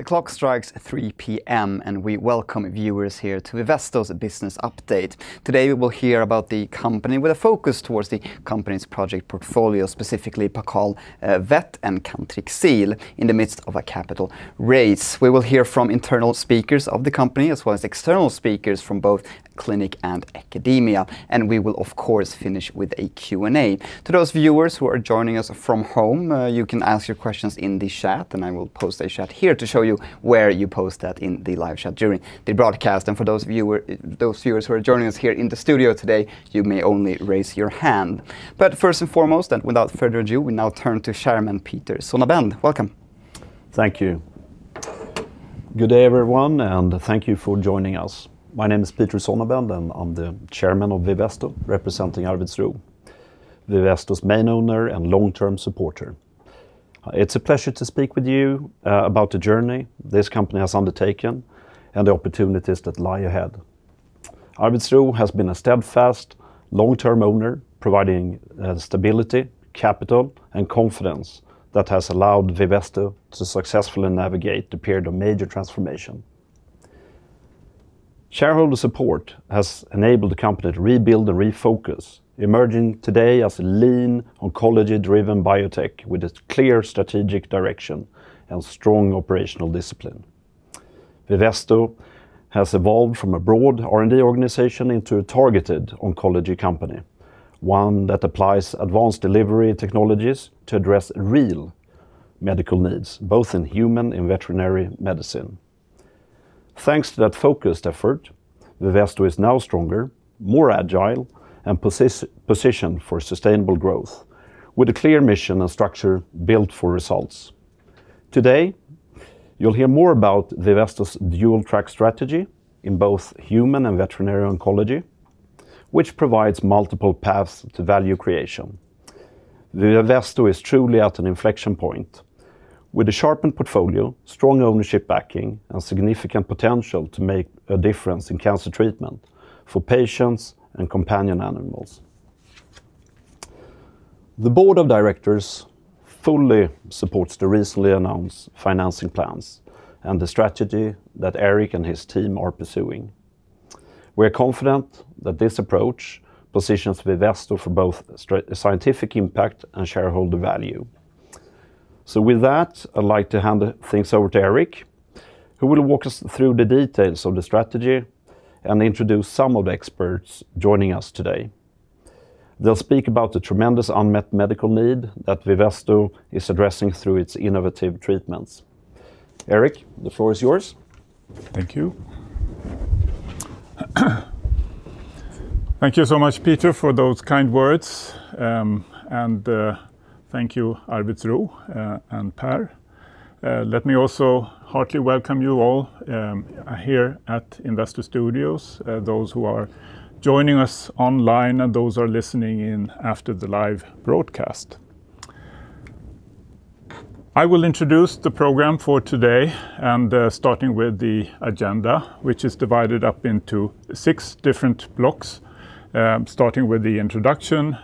The clock strikes 3:00 P.M., and we welcome viewers here to Vivesto's Business Update. Today we will hear about the company with a focus towards the company's project portfolio, specifically Paccal Vet and Cantrixil, in the midst of a capital raise. We will hear from internal speakers of the company, as well as external speakers from both clinic and academia. We will, of course, finish with a Q&A. To those viewers who are joining us from home, you can ask your questions in the chat, and I will post a chat here to show you where you post that in the live chat during the broadcast. For those viewers who are joining us here in the studio today, you may only raise your hand. First and foremost, and without further ado, we now turn to Chairman Peter Sonnebend. Welcome. Thank you. Good day, everyone, and thank you for joining us. My name is Peter Sonnebend, and I'm the Chairman of Vivesto, representing Arvidsruh, Vivesto's main owner and long-term supporter. It's a pleasure to speak with you about the journey this company has undertaken and the opportunities that lie ahead. Arvidsruh has been a steadfast, long-term owner, providing stability, capital, and confidence that has allowed Vivesto to successfully navigate the period of major transformation. Shareholder support has enabled the company to rebuild and refocus, emerging today as a lean, oncology-driven biotech with a clear strategic direction and strong operational discipline. Vivesto has evolved from a broad R&D organization into a targeted oncology company, one that applies advanced delivery technologies to address real medical needs, both in human and veterinary medicine. Thanks to that focused effort, Vivesto is now stronger, more agile, and positioned for sustainable growth, with a clear mission and structure built for results. Today, you'll hear more about Vivesto's dual-track strategy in both human and veterinary oncology, which provides multiple paths to value creation. Vivesto is truly at an inflection point, with a sharpened portfolio, strong ownership backing, and significant potential to make a difference in cancer treatment for patients and companion animals. The board of directors fully supports the recently announced financing plans and the strategy that Eric and his team are pursuing. We are confident that this approach positions Vivesto for both scientific impact and shareholder value. With that, I'd like to hand things over to Eric, who will walk us through the details of the strategy and introduce some of the experts joining us today. They'll speak about the tremendous unmet medical need that Vivesto is addressing through its innovative treatments. Eric, the floor is yours. Thank you. Thank you so much, Peter, for those kind words. Thank you, Arvidsruh and Per. Let me also heartily welcome you all here at Investor Studios, those who are joining us online and those who are listening in after the live broadcast. I will introduce the program for today, starting with the agenda, which is divided up into six different blocks, starting with the introduction,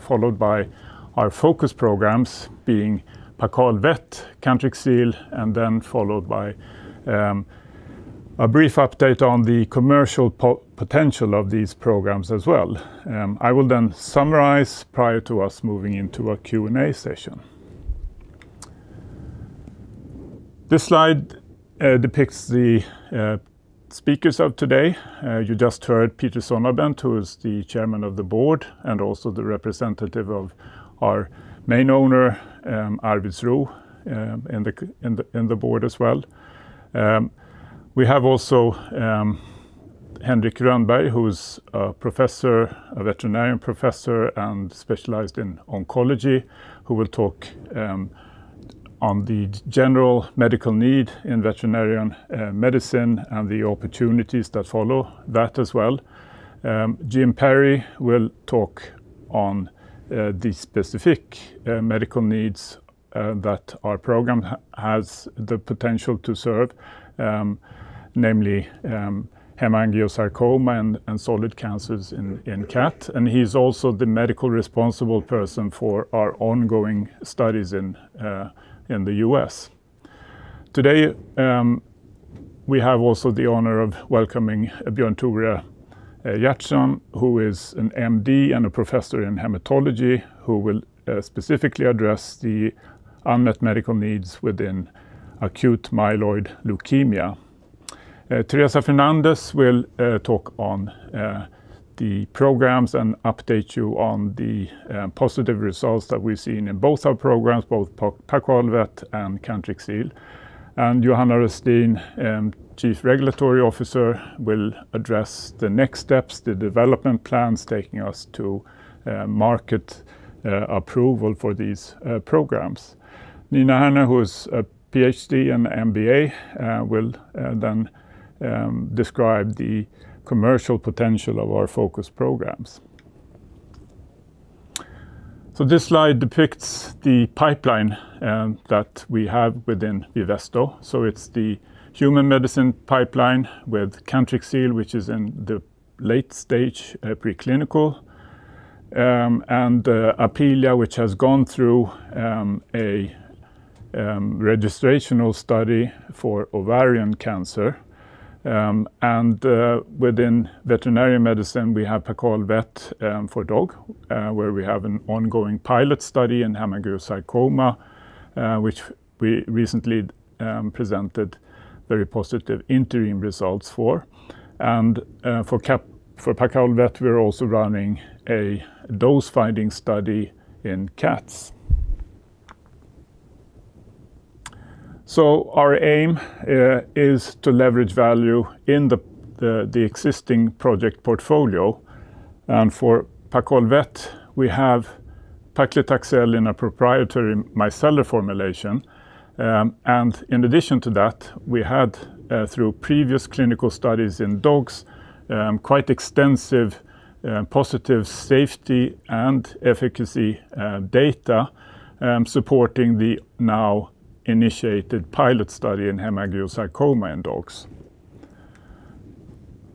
followed by our focus programs being Paccal Vet, Cantrixil, and then followed by a brief update on the commercial potential of these programs as well. I will then summarize prior to us moving into a Q&A session. This slide depicts the speakers of today. You just heard Peter Sonnebend, who is the Chairman of the Board and also the representative of our main owner, Arvidsruh, in the board as well. We have also Henrik Rönnberg, who's a veterinarian professor and specialized in oncology, who will talk on the general medical need in veterinarian medicine and the opportunities that follow that as well. Jim Perry will talk on the specific medical needs that our program has the potential to serve, namely hemangiosarcoma and solid cancers in cats. He's also the medical responsible person for our ongoing studies in the U.S. Today, we have also the honor of welcoming Björn-Tore Hjertzen, who is an MD and a professor in hematology, who will specifically address the unmet medical needs within acute myeloid leukemia. Teresa Fernandez Zafra will talk on the programs and update you on the positive results that we've seen in both our programs, both Paccal Vet and Cantrixil. Johanna Rostin, Chief Regulatory Officer, will address the next steps, the development plns taking us to market approval for these programs. Nina Herner, who's a PhD and MBA, will then describe the commercial potential of our focus programs. This slide depicts the pipeline that we have within Vivesto. It is the human medicine pipeline with Cantrixil, which is in the late stage preclinical, and Apealea, which has gone through a registrational study for ovarian cancer. Within veterinary medicine, we have Paccal Vet for dog, where we have an ongoing pilot study in hemangiosarcoma, which we recently presented very positive interim results for. For Paccal Vet, we're also running a dose-finding study in cats. Our aim is to leverage value in the existing project portfolio. For Paccal Vet, we have paclitaxel in a proprietary micellar formulation. In addition to that, we had, through previous clinical studies in dogs, quite extensive positive safety and efficacy data supporting the now initiated pilot study in hemangiosarcoma in dogs.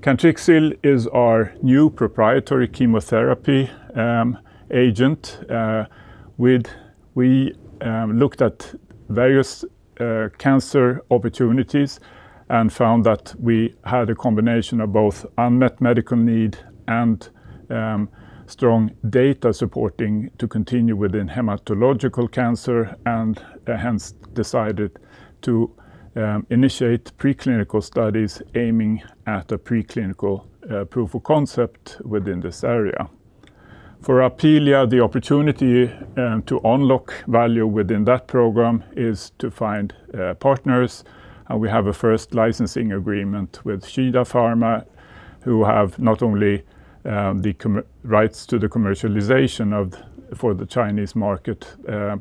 Cantrixil is our new proprietary chemotherapy agent, with which we looked at various cancer opportunities and found that we had a combination of both unmet medical need and strong data supporting to continue within hematological cancer, and hence decided to initiate preclinical studies aiming at a preclinical proof of concept within this area. For Apalea, the opportunity to unlock value within that program is to find partners. We have a first licensing agreement with Shida Pharma, who have not only the rights to the commercialization for the Chinese market,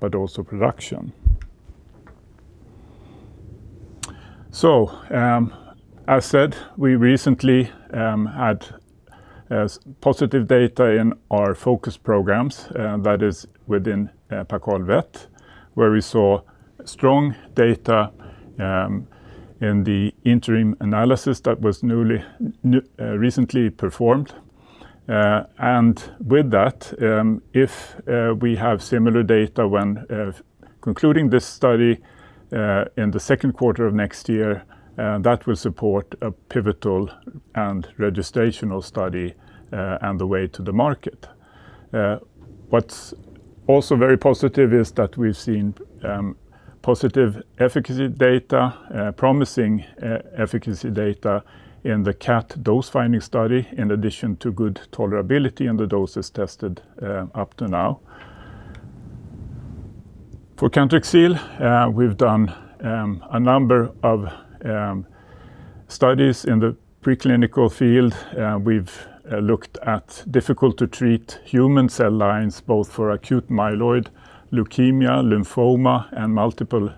but also production. As said, we recently had positive data in our focus programs, that is, within Paccal Vet, where we saw strong data in the interim analysis that was recently performed. With that, if we have similar data when concluding this study in the second quarter of next year, that will support a pivotal and registrational study and the way to the market. What's also very positive is that we've seen positive efficacy data, promising efficacy data in the cat dose-finding study, in addition to good tolerability in the doses tested up to now. For Cantrixil, we've done a number of studies in the preclinical field. We've looked at difficult-to-treat human cell lines, both for acute myeloid leukemia, lymphoma, and multiple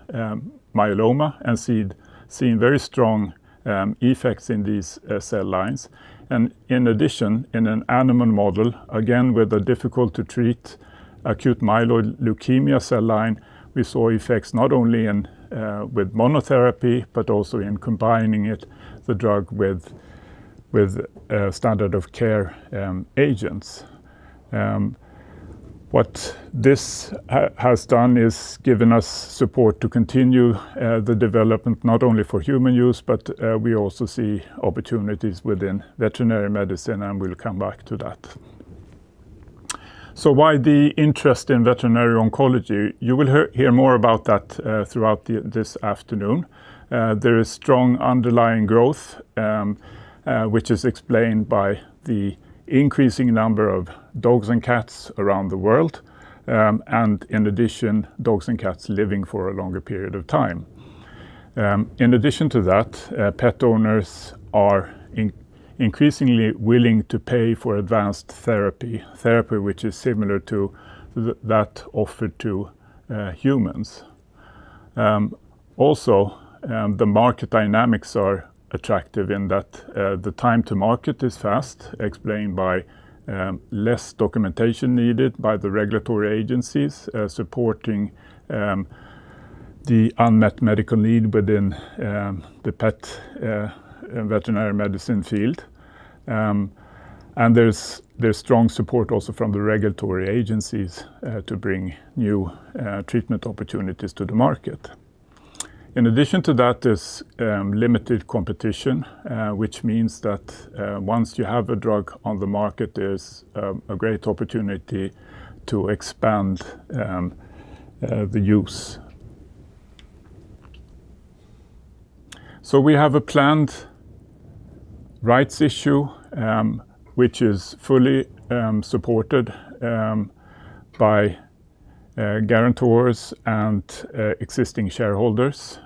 myeloma, and seen very strong effects in these cell lines. In addition, in an animal model, again, with a difficult-to-treat acute myeloid leukemia cell line, we saw effects not only with monotherapy, but also in combining the drug with standard of care agents. What this has done is given us support to continue the development, not only for human use, but we also see opportunities within veterinary medicine, and we'll come back to that. Why the interest in veterinary oncology? You will hear more about that throughout this afternoon. There is strong underlying growth, which is explained by the increasing number of dogs and cats around the world, and in addition, dogs and cats living for a longer period of time. In addition to that, pet owners are increasingly willing to pay for advanced therapy, therapy which is similar to that offered to humans. Also, the market dynamics are attractive in that the time to market is fast, explained by less documentation needed by the regulatory agencies supporting the unmet medical need within the pet veterinary medicine field. There is strong support also from the regulatory agencies to bring new treatment opportunities to the market. In addition to that, there is limited competition, which means that once you have a drug on the market, there is a great opportunity to expand the use. We have a planned rights issue, which is fully supported by guarantors and existing shareholders.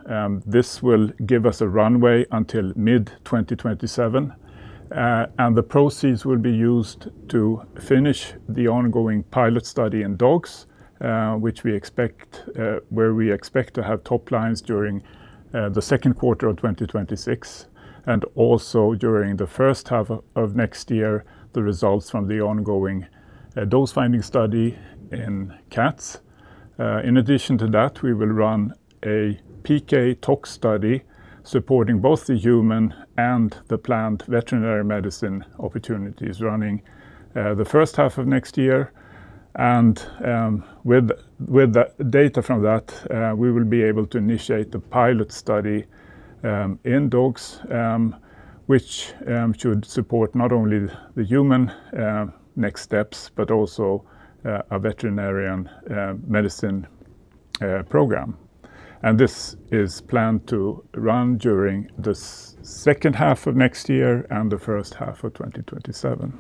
This will give us a runway until mid-2027. The proceeds will be used to finish the ongoing pilot study in dogs, where we expect to have top lines during the second quarter of 2026. Also during the first half of next year, the results from the ongoing dose-finding study in cats. In addition to that, we will run a PK tox study supporting both the human and the planned veterinary medicine opportunities running the first half of next year. With the data from that, we will be able to initiate the pilot study in dogs, which should support not only the human next steps, but also a veterinarian medicine program. This is planned to run during the second half of next year and the first half of 2027.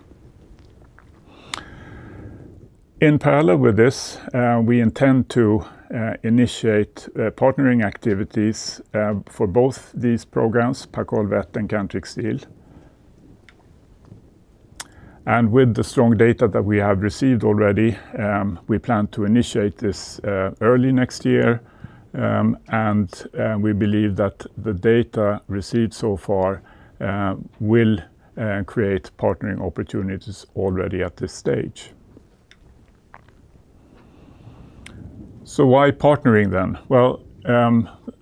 In parallel with this, we intend to initiate partnering activities for both these programs, Paccal Vet and Cantrixil. With the strong data that we have received already, we plan to initiate this early next year. We believe that the data received so far will create partnering opportunities already at this stage. Why partnering then?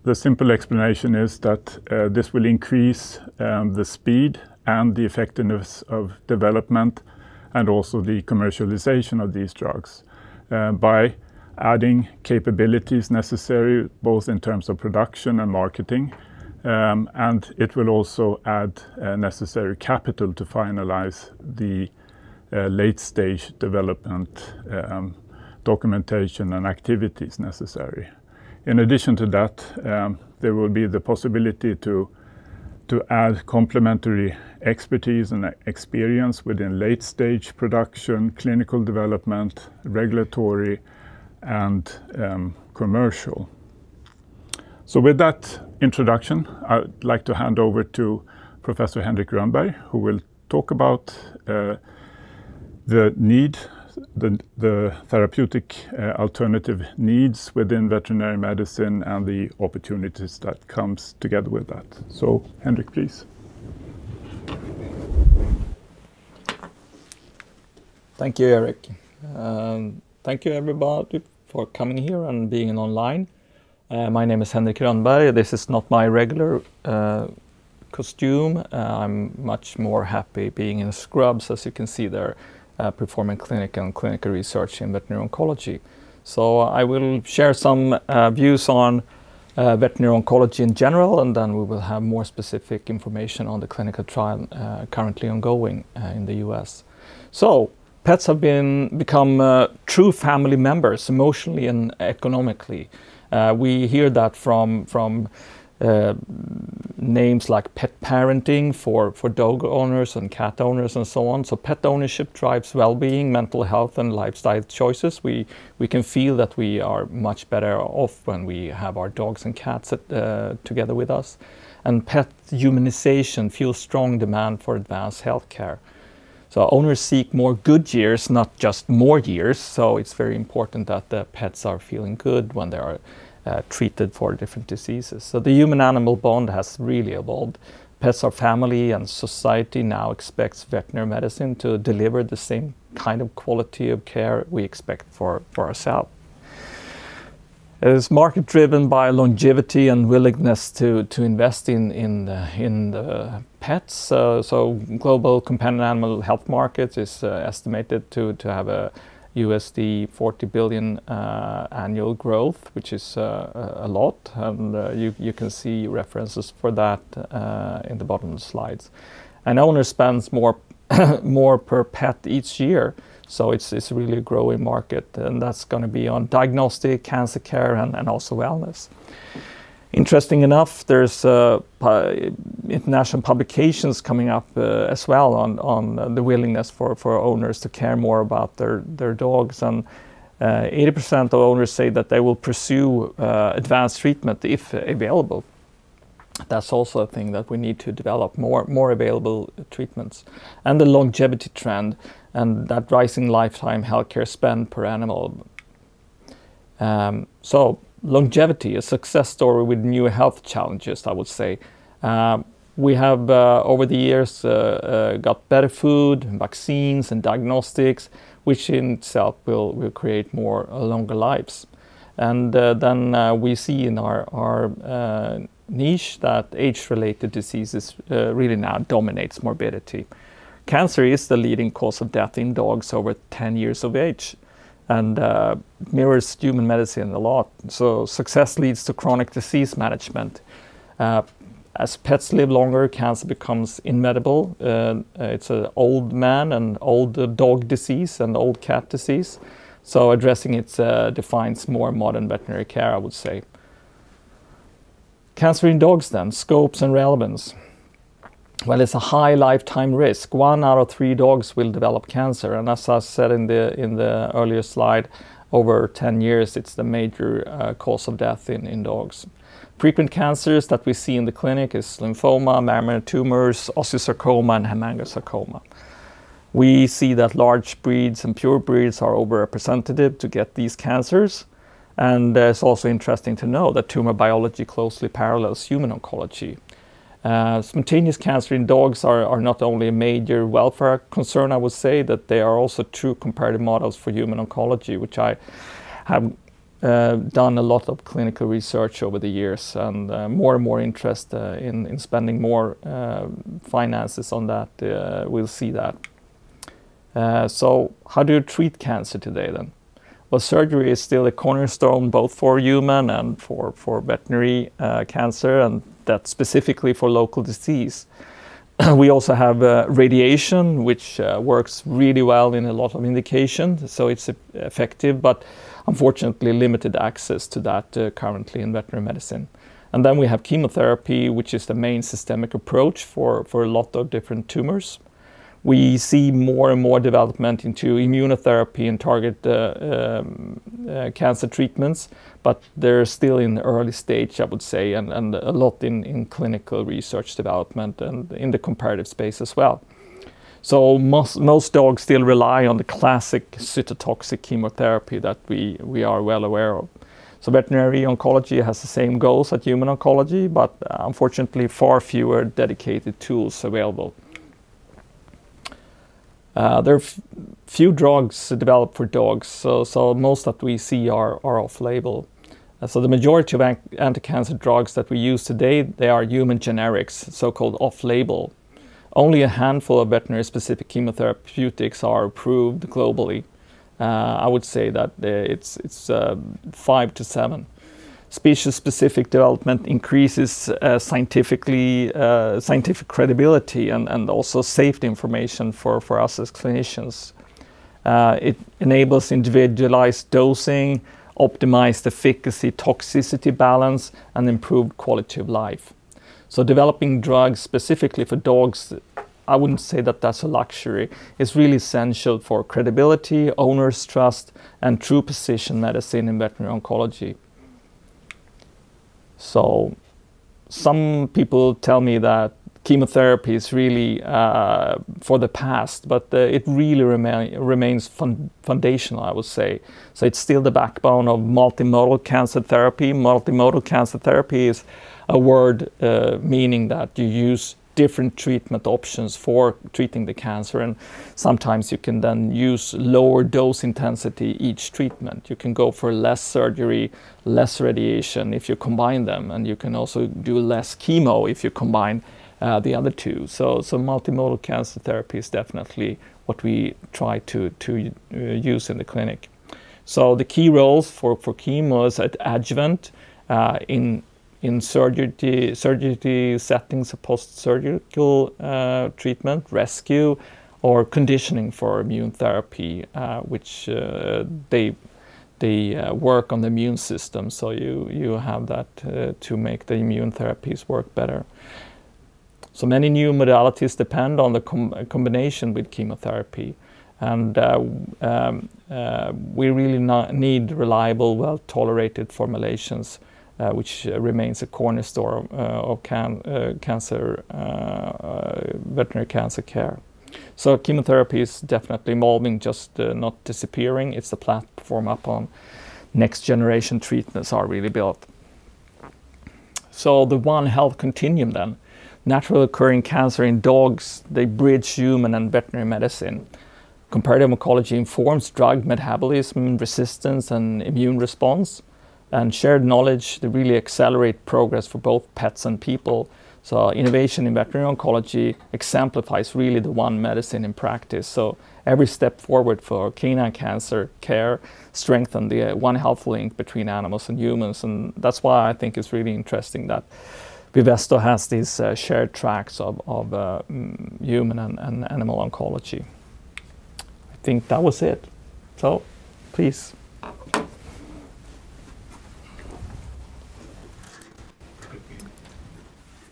The simple explanation is that this will increase the speed and the effectiveness of development and also the commercialization of these drugs by adding capabilities necessary both in terms of production and marketing. It will also add necessary capital to finalize the late-stage development documentation and activities necessary. In addition to that, there will be the possibility to add complementary expertise and experience within late-stage production, clinical development, regulatory, and commercial. With that introduction, I'd like to hand over to Professor Henrik Rönnberg, who will talk about the therapeutic alternative needs within veterinary medicine and the opportunities that come together with that. Henrik, please. Thank you, Erik. Thank you, everybody, for coming here and being online. My name is Henrik Rönnberg. This is not my regular costume. I'm much more happy being in scrubs, as you can see there, performing clinical and clinical research in veterinary oncology. I will share some views on veterinary oncology in general, and then we will have more specific information on the clinical trial currently ongoing in the U.S. Pets have become true family members emotionally and economically. We hear that from names like pet parenting for dog owners and cat owners and so on. Pet ownership drives well-being, mental health, and lifestyle choices. We can feel that we are much better off when we have our dogs and cats together with us. Pet humanization fuels strong demand for advanced healthcare. Owners seek more good years, not just more years. It is very important that the pets are feeling good when they are treated for different diseases. The human-animal bond has really evolved. Pets are family, and society now expects veterinary medicine to deliver the same kind of quality of care we expect for ourselves. It is market-driven by longevity and willingness to invest in pets. Global companion animal health markets is estimated to have a $40 billion annual growth, which is a lot. You can see references for that in the bottom of the slides. Owners spend more per pet each year. It is really a growing market, and that is going to be on diagnostic, cancer care, and also wellness. Interestingly enough, there are international publications coming up as well on the willingness for owners to care more about their dogs. 80% of owners say that they will pursue advanced treatment if available. That's also a thing that we need to develop more available treatments. The longevity trend and that rising lifetime healthcare spend per animal. Longevity, a success story with new health challenges, I would say. We have, over the years, got better food, vaccines, and diagnostics, which in itself will create longer lives. We see in our niche that age-related diseases really now dominate morbidity. Cancer is the leading cause of death in dogs over 10 years of age and mirrors human medicine a lot. Success leads to chronic disease management. As pets live longer, cancer becomes inevitable. It's an old man and old dog disease and old cat disease. Addressing it defines more modern veterinary care, I would say. Cancer in dogs then, scopes and relevance. It's a high lifetime risk. One out of 3 dogs will develop cancer. As I said in the earlier slide, over 10 years, it's the major cause of death in dogs. Frequent cancers that we see in the clinic are lymphoma, mammary tumors, osteosarcoma, and hemangiosarcoma. We see that large breeds and pure breeds are overrepresented to get these cancers. It's also interesting to know that tumor biology closely parallels human oncology. Spontaneous cancer in dogs are not only a major welfare concern, I would say, that they are also two comparative models for human oncology, which I have done a lot of clinical research over the years. More and more interest in spending more finances on that, we'll see that. How do you treat cancer today then? Surgery is still a cornerstone both for human and for veterinary cancer, and that's specifically for local disease. We also have radiation, which works really well in a lot of indications. It is effective, but unfortunately, limited access to that currently in veterinary medicine. Then we have chemotherapy, which is the main systemic approach for a lot of different tumors. We see more and more development into immunotherapy and target cancer treatments, but they are still in early stage, I would say, and a lot in clinical research development and in the comparative space as well. Most dogs still rely on the classic cytotoxic chemotherapy that we are well aware of. Veterinary oncology has the same goals that human oncology, but unfortunately, far fewer dedicated tools available. There are few drugs developed for dogs, so most that we see are off-label. The majority of anti-cancer drugs that we use today, they are human generics, so-called off-label. Only a handful of veterinary-specific chemotherapeutics are approved globally. I would say that it's 5 to 7. Species-specific development increases scientific credibility and also safety information for us as clinicians. It enables individualized dosing, optimized efficacy, toxicity balance, and improved quality of life. Developing drugs specifically for dogs, I wouldn't say that that's a luxury. It's really essential for credibility, owner's trust, and true precision medicine in veterinary oncology. Some people tell me that chemotherapy is really for the past, but it really remains foundational, I would say. It's still the backbone of multimodal cancer therapy. Multimodal cancer therapy is a word meaning that you use different treatment options for treating the cancer. Sometimes you can then use lower dose intensity for each treatment. You can go for less surgery, less radiation if you combine them, and you can also do less chemo if you combine the other two. Multimodal cancer therapy is definitely what we try to use in the clinic. The key roles for chemo are adjuvant in surgery settings or post-surgical treatment, rescue, or conditioning for immune therapy, which they work on the immune system. You have that to make the immune therapies work better. Many new modalities depend on the combination with chemotherapy. We really need reliable, well-tolerated formulations, which remains a cornerstone of veterinary cancer care. Chemotherapy is definitely evolving, just not disappearing. It is a platform upon which next-generation treatments are really built. The one health continuum then, natural occurring cancer in dogs, they bridge human and veterinary medicine. Comparative oncology informs drug metabolism, resistance, and immune response. Shared knowledge, they really accelerate progress for both pets and people. Innovation in veterinary oncology exemplifies really the one medicine in practice. Every step forward for canine cancer care strengthens the one health link between animals and humans. That is why I think it is really interesting that Vivesto has these shared tracks of human and animal oncology. I think that was it. Please.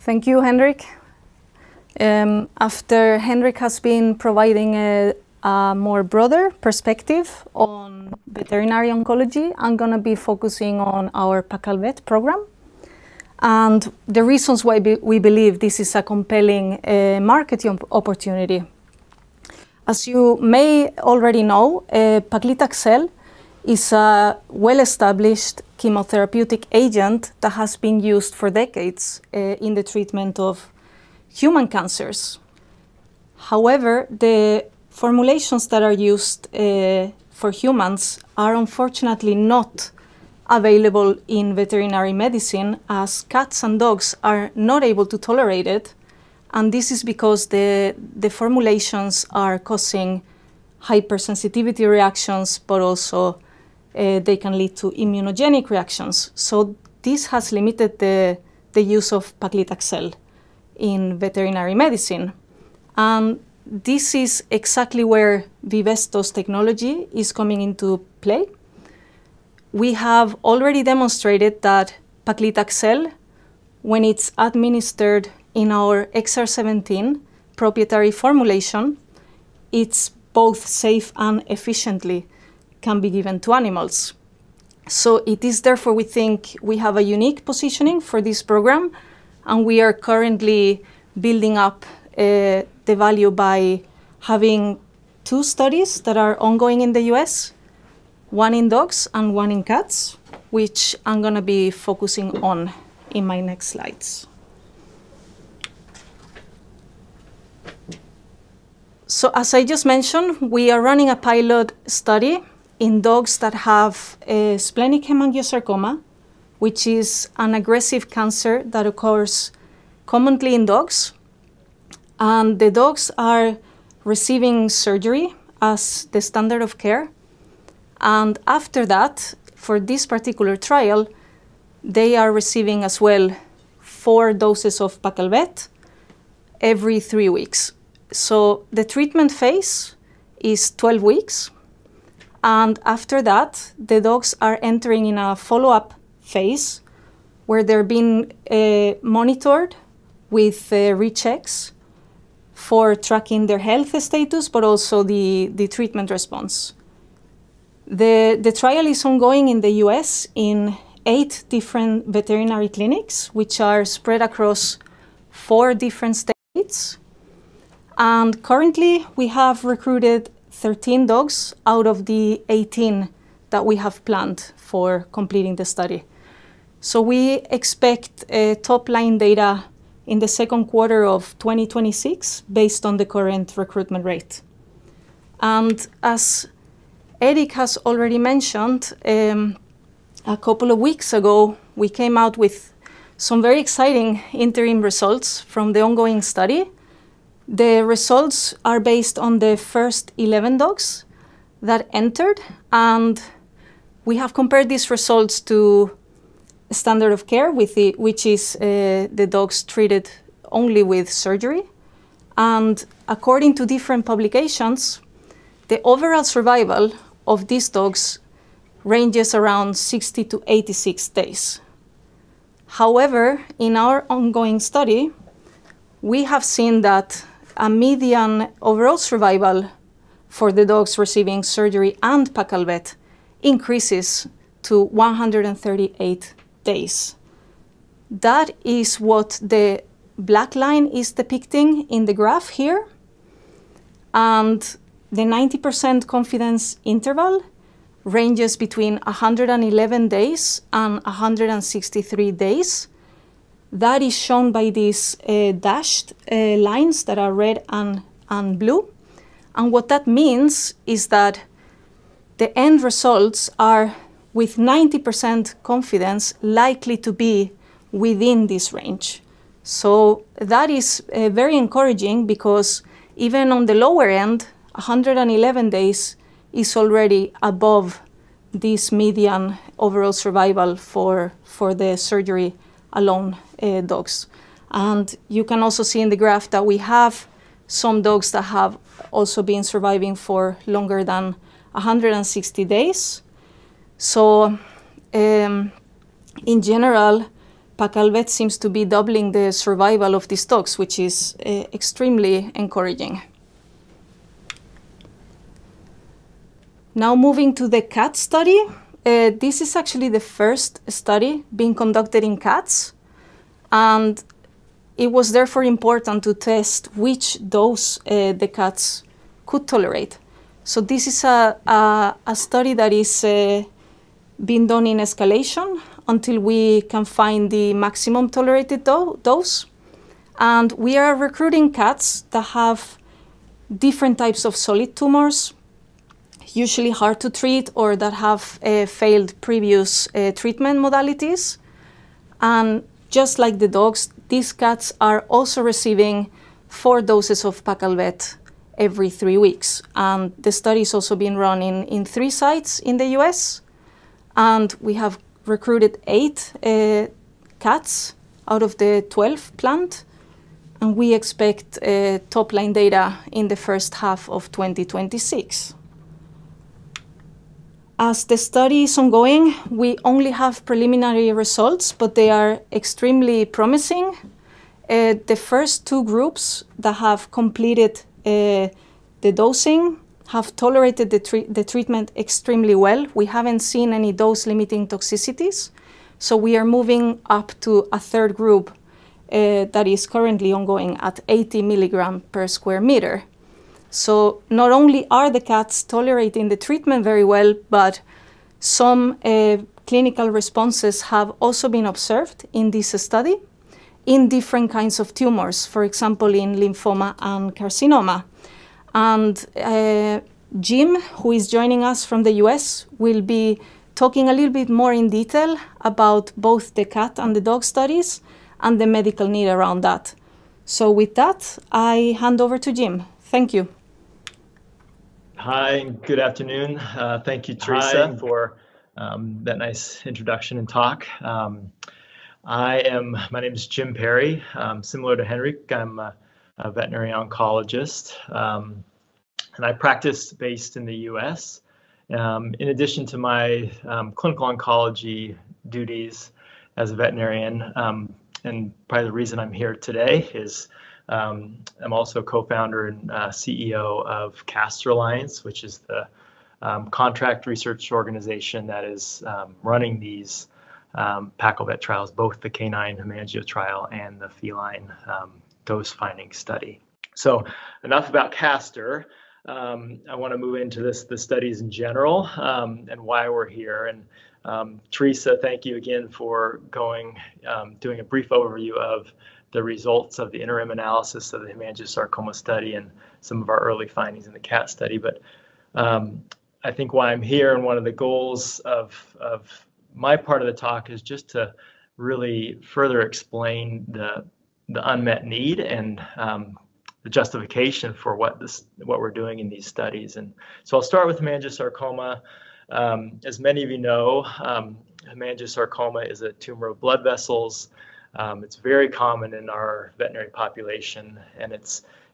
Thank you, Henrik. After Henrik has been providing a more broader perspective on veterinary oncology, I'm going to be focusing on our Paccal Vet program and the reasons why we believe this is a compelling marketing opportunity. As you may already know, paclitaxel is a well-established chemotherapeutic agent that has been used for decades in the treatment of human cancers. However, the formulations that are used for humans are unfortunately not available in veterinary medicine as cats and dogs are not able to tolerate it. This is because the formulations are causing hypersensitivity reactions, but also they can lead to immunogenic reactions. This has limited the use of paclitaxel in veterinary medicine. This is exactly where Vivesto's technology is coming into play. We have already demonstrated that paclitaxel, when it's administered in our XR17 proprietary formulation, is both safe and efficiently can be given to animals. It is therefore we think we have a unique positioning for this program, and we are currently building up the value by having two studies that are ongoing in the U.S., one in dogs and one in cats, which I'm going to be focusing on in my next slides. As I just mentioned, we are running a pilot study in dogs that have splenic hemangiosarcoma, which is an aggressive cancer that occurs commonly in dogs. The dogs are receiving surgery as the standard of care. After that, for this particular trial, they are receiving as well 4 doses of paclitaxel every 3 weeks. The treatment phase is 12 weeks. After that, the dogs are entering in a follow-up phase where they're being monitored with rechecks for tracking their health status, but also the treatment response. The trial is ongoing in the U.S. in eight different veterinary clinics, which are spread across four different states. Currently, we have recruited 13 dogs out of the 18 that we have planned for completing the study. We expect top-line data in the second quarter of 2026 based on the current recruitment rate. As Erik has already mentioned, a couple of weeks ago, we came out with some very exciting interim results from the ongoing study. The results are based on the first 11 dogs that entered. We have compared these results to standard of care, which is the dogs treated only with surgery. According to different publications, the overall survival of these dogs ranges around 60-86 days. However, in our ongoing study, we have seen that a median overall survival for the dogs receiving surgery and Paccal Vet increases to 138 days. That is what the black line is depicting in the graph here. The 90% confidence interval ranges between 111 days and 163 days. That is shown by these dashed lines that are red and blue. What that means is that the end results are with 90% confidence likely to be within this range. That is very encouraging because even on the lower end, 111 days is already above this median overall survival for the surgery-alone dogs. You can also see in the graph that we have some dogs that have also been surviving for longer than 160 days. In general, Paccal Vet seems to be doubling the survival of these dogs, which is extremely encouraging. Moving to the cat study, this is actually the first study being conducted in cats. It was therefore important to test which dose the cats could tolerate. This is a study that is being done in escalation until we can find the maximum tolerated dose. We are recruiting cats that have different types of solid tumors, usually hard to treat or that have failed previous treatment modalities. Just like the dogs, these cats are also receiving 4 doses of Paccal Vet every 3 weeks. The study is also being run in 3 sites in the U.S. We have recruited 8 cats out of the 12 planned. We expect top-line data in the first half of 2026. As the study is ongoing, we only have preliminary results, but they are extremely promising. The first two groups that have completed the dosing have tolerated the treatment extremely well. We haven't seen any dose-limiting toxicities. We are moving up to a third group that is currently ongoing at 80 mg per sq m. Not only are the cats tolerating the treatment very well, but some clinical responses have also been observed in this study in different kinds of tumors, for example, in lymphoma and carcinoma. Jim, who is joining us from the U.S., will be talking a little bit more in detail about both the cat and the dog studies and the medical need around that. With that, I hand over to Jim. Thank you. Hi, good afternoon. Thank you, Teresa, for that nice introduction and talk. My name is Jim Perry. Similar to Henrik, I'm a veterinary oncologist. I practice based in the U.S. In addition to my clinical oncology duties as a veterinarian, and probably the reason I'm here today is I'm also co-founder and CEO of Caster Alliance, which is the contract research organization that is running these Paklita trials, both the canine hemangio trial and the feline dose-finding study. Enough about Caster. I want to move into the studies in general and why we're here. Teresa, thank you again for doing a brief overview of the results of the interim analysis of the hemangiosarcoma study and some of our early findings in the cat study. I think why I'm here and one of the goals of my part of the talk is just to really further explain the unmet need and the justification for what we're doing in these studies. I'll start with hemangiosarcoma. As many of you know, hemangiosarcoma is a tumor of blood vessels. It's very common in our veterinary population.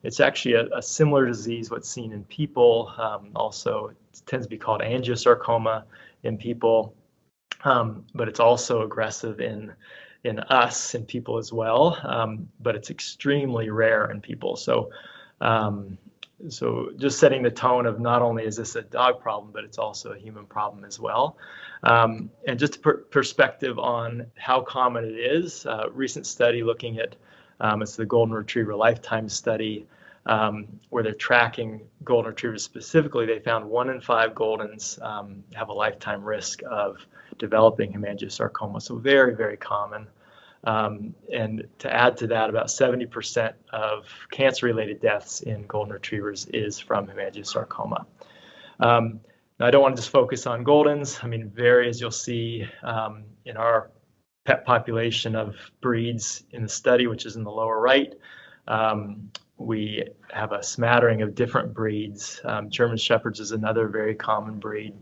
It's actually a similar disease to what's seen in people. Also, it tends to be called angiosarcoma in people. It's also aggressive in us and people as well. It's extremely rare in people. Just setting the tone of not only is this a dog problem, but it's also a human problem as well. Just perspective on how common it is, a recent study looking at it is the Golden Retriever Lifetime Study where they are tracking Golden Retrievers specifically. They found 1 in 5 Goldens have a lifetime risk of developing hemangiosarcoma. Very, very common. To add to that, about 70% of cancer-related deaths in Golden Retrievers is from hemangiosarcoma. I do not want to just focus on Goldens. I mean, various, you will see in our pet population of breeds in the study, which is in the lower right. We have a smattering of different breeds. German Shepherds is another very common breed.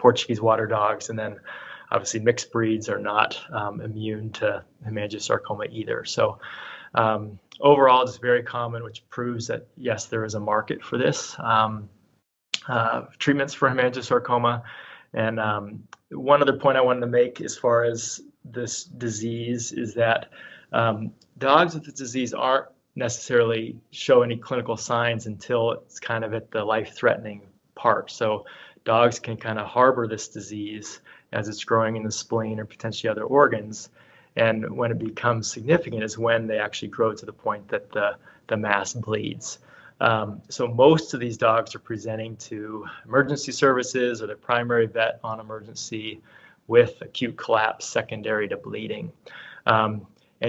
Portuguese Water Dogs. Obviously, mixed breeds are not immune to hemangiosarcoma either. Overall, it is very common, which proves that yes, there is a market for these treatments for hemangiosarcoma. One other point I wanted to make as far as this disease is that dogs with the disease are not necessarily showing any clinical signs until it is kind of at the life-threatening part. Dogs can kind of harbor this disease as it is growing in the spleen or potentially other organs. When it becomes significant is when they actually grow to the point that the mass bleeds. Most of these dogs are presenting to emergency services or their primary vet on emergency with acute collapse secondary to bleeding.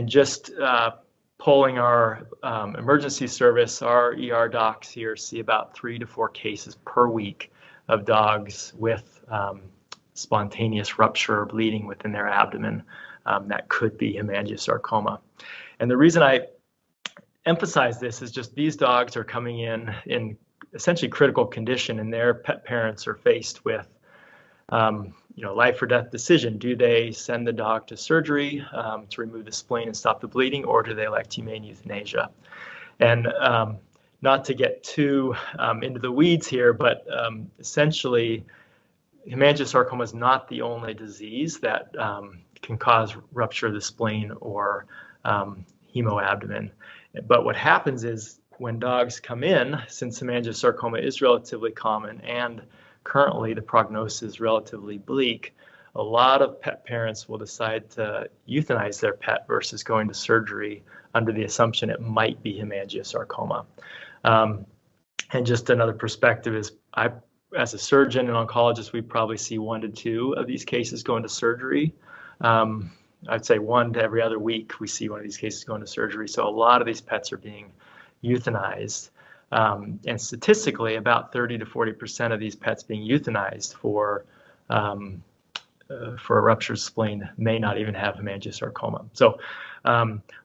Just polling our emergency service, our docs here see about 3 to four cases per week of dogs with spontaneous rupture or bleeding within their abdomen that could be hemangiosarcoma. The reason I emphasize this is just these dogs are coming in in essentially critical condition and their pet parents are faced with a life-or-death decision. Do they send the dog to surgery to remove the spleen and stop the bleeding, or do they elect hemaneuthanasia? Not to get too into the weeds here, but essentially, hemangiosarcoma is not the only disease that can cause rupture of the spleen or hemoabdomen. What happens is when dogs come in, since hemangiosarcoma is relatively common and currently the prognosis is relatively bleak, a lot of pet parents will decide to euthanize their pet versus going to surgery under the assumption it might be hemangiosarcoma. Just another perspective is as a surgeon and oncologist, we probably see 1 to 2 of these cases going to surgery. I'd say one to every other week we see one of these cases going to surgery. A lot of these pets are being euthanized. Statistically, about 30-40% of these pets being euthanized for a ruptured spleen may not even have hemangiosarcoma.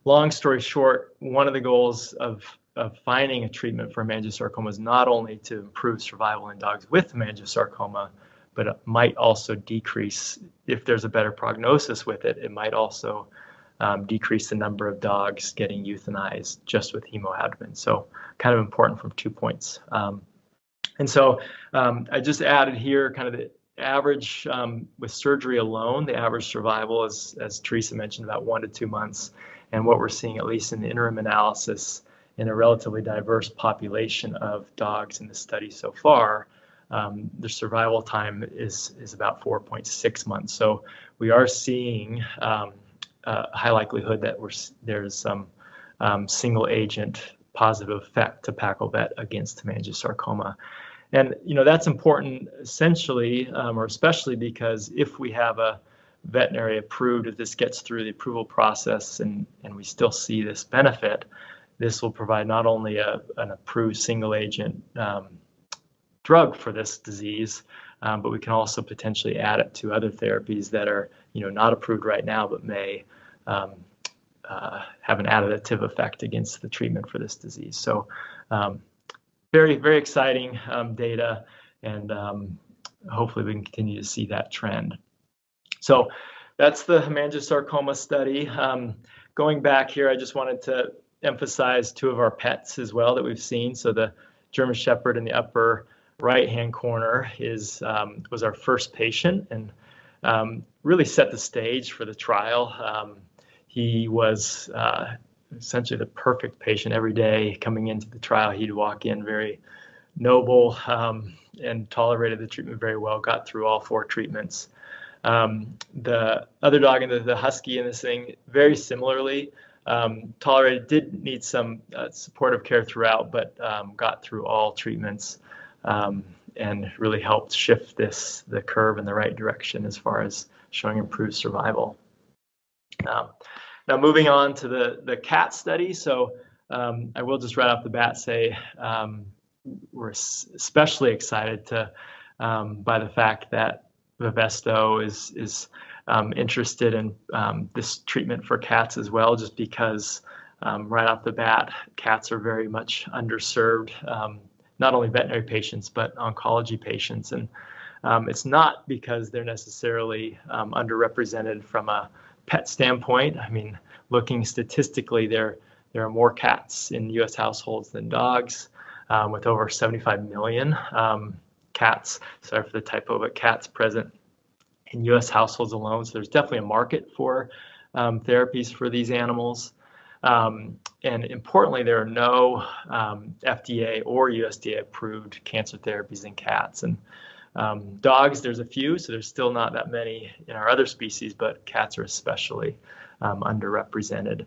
Long story short, one of the goals of finding a treatment for hemangiosarcoma is not only to improve survival in dogs with hemangiosarcoma, but it might also decrease, if there's a better prognosis with it, the number of dogs getting euthanized just with hemoabdomen. Kind of important from two points. I just added here kind of the average with surgery alone, the average survival is, as Teresa mentioned, about one to two months. What we're seeing, at least in the interim analysis in a relatively diverse population of dogs in the study so far, the survival time is about 4.6 months. We are seeing a high likelihood that there's some single-agent positive effect to Paccal Vet against hemangiosarcoma. That is important essentially, or especially because if we have a veterinary approved, if this gets through the approval process and we still see this benefit, this will provide not only an approved single-agent drug for this disease, but we can also potentially add it to other therapies that are not approved right now, but may have an additive effect against the treatment for this disease. Very, very exciting data. Hopefully we can continue to see that trend. That is the hemangiosarcoma study. Going back here, I just wanted to emphasize two of our pets as well that we have seen. The German Shepherd in the upper right-hand corner was our first patient and really set the stage for the trial. He was essentially the perfect patient every day coming into the trial. He'd walk in very noble and tolerated the treatment very well, got through all four treatments. The other dog, the Husky in this thing, very similarly tolerated, did need some supportive care throughout, but got through all treatments and really helped shift the curve in the right direction as far as showing improved survival. Now moving on to the cat study. I will just right off the bat say we're especially excited by the fact that Vivesto is interested in this treatment for cats as well, just because right off the bat, cats are very much underserved, not only veterinary patients, but oncology patients. And it's not because they're necessarily underrepresented from a pet standpoint. I mean, looking statistically, there are more cats in U.S. households than dogs with over 75 million cats, sorry for the typo but cats present in U.S. households alone. There is definitely a market for therapies for these animals. Importantly, there are no FDA or USDA-approved cancer therapies in cats. In dogs, there are a few, so there are still not that many in our other species, but cats are especially underrepresented.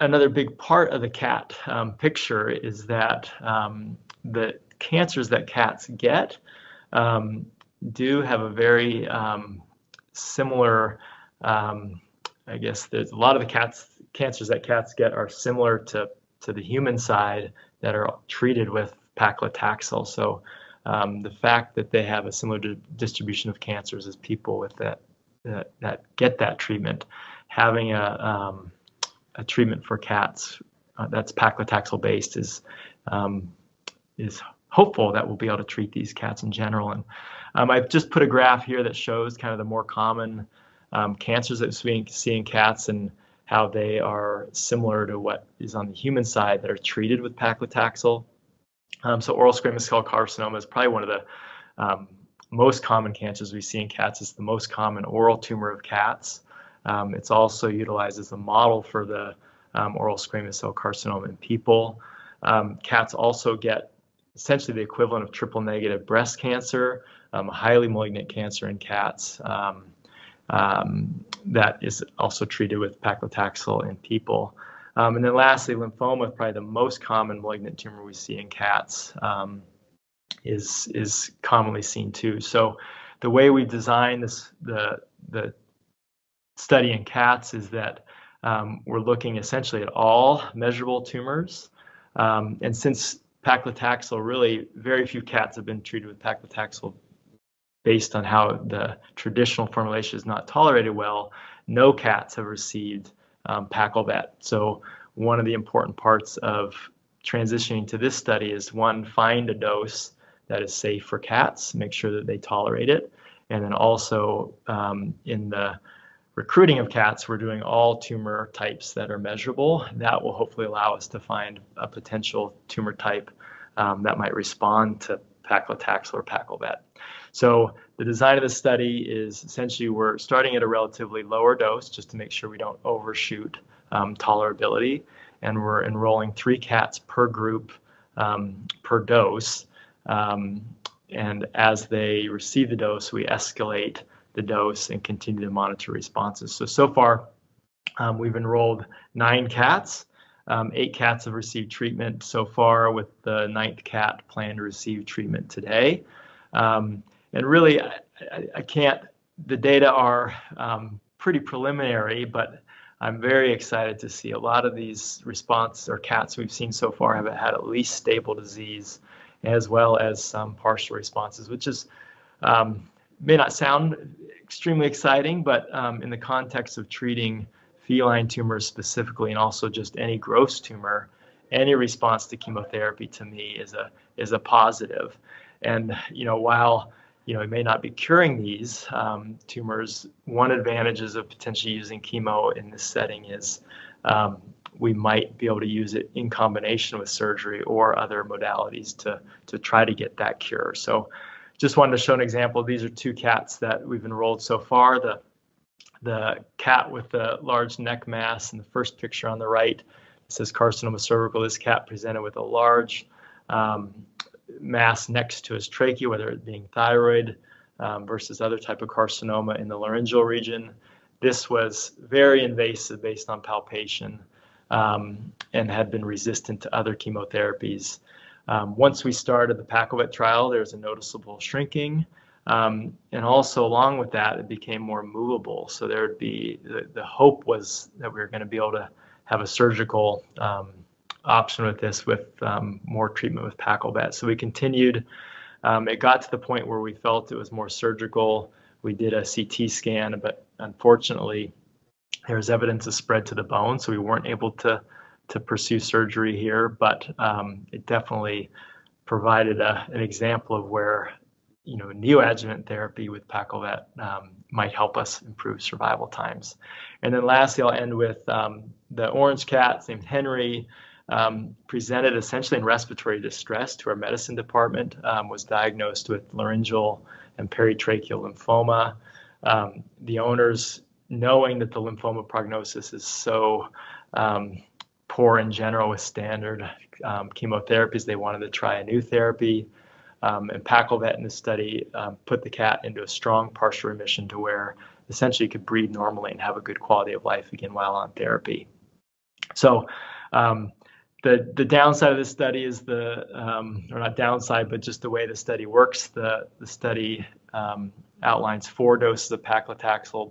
Another big part of the cat picture is that the cancers that cats get do have a very similar, I guess there is a lot of the cancers that cats get are similar to the human side that are treated with paclitaxel. The fact that they have a similar distribution of cancers as people that get that treatment, having a treatment for cats that is paclitaxel-based is hopeful that we will be able to treat these cats in general. I've just put a graph here that shows kind of the more common cancers that we've seen in cats and how they are similar to what is on the human side that are treated with Paclitaxel. Oral squamous cell carcinoma is probably one of the most common cancers we see in cats. It's the most common oral tumor of cats. It also utilizes a model for the oral squamous cell carcinoma in people. Cats also get essentially the equivalent of triple-negative breast cancer, a highly malignant cancer in cats that is also treated with Paclitaxel in people. Lastly, lymphoma is probably the most common malignant tumor we see in cats, is commonly seen too. The way we design the study in cats is that we're looking essentially at all measurable tumors. Since Paklitaxel, really very few cats have been treated with Paklitaxel based on how the traditional formulation is not tolerated well, no cats have received Paklitaxel. One of the important parts of transitioning to this study is, one, find a dose that is safe for cats, make sure that they tolerate it. Also, in the recruiting of cats, we're doing all tumor types that are measurable. That will hopefully allow us to find a potential tumor type that might respond to Paklitaxel or Paklitaxel. The design of this study is essentially we're starting at a relatively lower dose just to make sure we don't overshoot tolerability. We're enrolling 3 cats per group per dose. As they receive the dose, we escalate the dose and continue to monitor responses. So far, we've enrolled nine cats. Eight cats have received treatment so far with the ninth cat planned to receive treatment today. The data are pretty preliminary, but I'm very excited to see a lot of these response or cats we've seen so far have had at least stable disease as well as some partial responses, which may not sound extremely exciting, but in the context of treating feline tumors specifically and also just any gross tumor, any response to chemotherapy to me is a positive. While we may not be curing these tumors, one advantage of potentially using chemo in this setting is we might be able to use it in combination with surgery or other modalities to try to get that cure. I just wanted to show an example. These are two cats that we've enrolled so far. The cat with the large neck mass in the first picture on the right says carcinoma cervical. This cat presented with a large mass next to his trachea, whether it being thyroid versus other type of carcinoma in the laryngeal region. This was very invasive based on palpation and had been resistant to other chemotherapies. Once we started the Paccal Vet trial, there was a noticeable shrinking. Also along with that, it became more movable. The hope was that we were going to be able to have a surgical option with this with more treatment with Paccal Vet. We continued. It got to the point where we felt it was more surgical. We did a CT scan, but unfortunately, there was evidence of spread to the bone. We were not able to pursue surgery here, but it definitely provided an example of where neoadjuvant therapy with Paccal Vet might help us improve survival times. Lastly, I will end with the orange cat named Henry, who presented essentially in respiratory distress to our medicine department and was diagnosed with laryngeal and peritracheal lymphoma. The owners, knowing that the lymphoma prognosis is so poor in general with standard chemotherapies, wanted to try a new therapy. Paccal Vet in this study put the cat into a strong partial remission to where essentially it could breathe normally and have a good quality of life again while on therapy. The downside of this study is, or not downside, but just the way the study works. The study outlines 4 doses of Paccal Vet.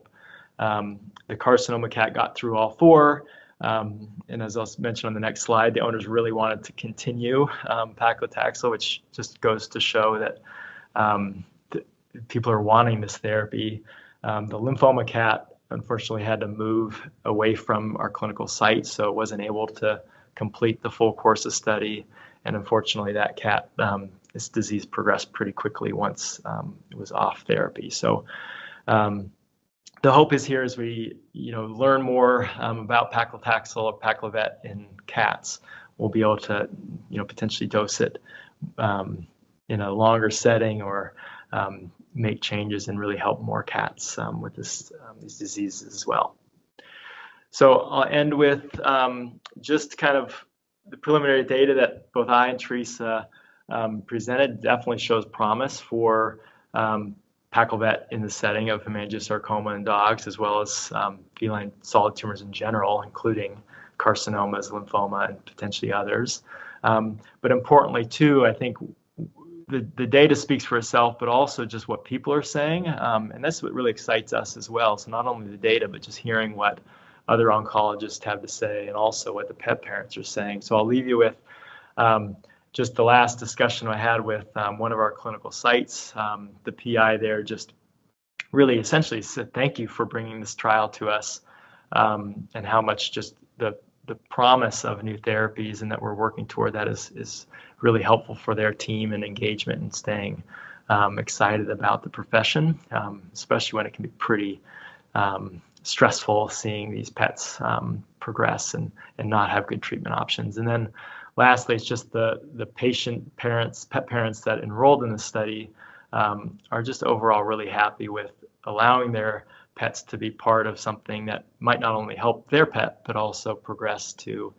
The carcinoma cat got through all four. As I'll mention on the next slide, the owners really wanted to continue Paccal Vet, which just goes to show that people are wanting this therapy. The lymphoma cat, unfortunately, had to move away from our clinical site, so it was not able to complete the full course of study. Unfortunately, that cat's disease progressed pretty quickly once it was off therapy. The hope is here as we learn more about Paccal Vet or Paccal Vet in cats, we will be able to potentially dose it in a longer setting or make changes and really help more cats with these diseases as well. I'll end with just kind of the preliminary data that both I and Teresa presented definitely shows promise for Paccal Vet in the setting of hemangiosarcoma in dogs as well as feline solid tumors in general, including carcinomas, lymphoma, and potentially others. Importantly too, I think the data speaks for itself, but also just what people are saying. That is what really excites us as well. Not only the data, but just hearing what other oncologists have to say and also what the pet parents are saying. I will leave you with just the last discussion I had with one of our clinical sites. The PI there just really essentially said, "Thank you for bringing this trial to us." How much just the promise of new therapies and that we are working toward that is really helpful for their team and engagement and staying excited about the profession, especially when it can be pretty stressful seeing these pets progress and not have good treatment options. Lastly, the pet parents that enrolled in this study are just overall really happy with allowing their pets to be part of something that might not only help their pet, but also progress to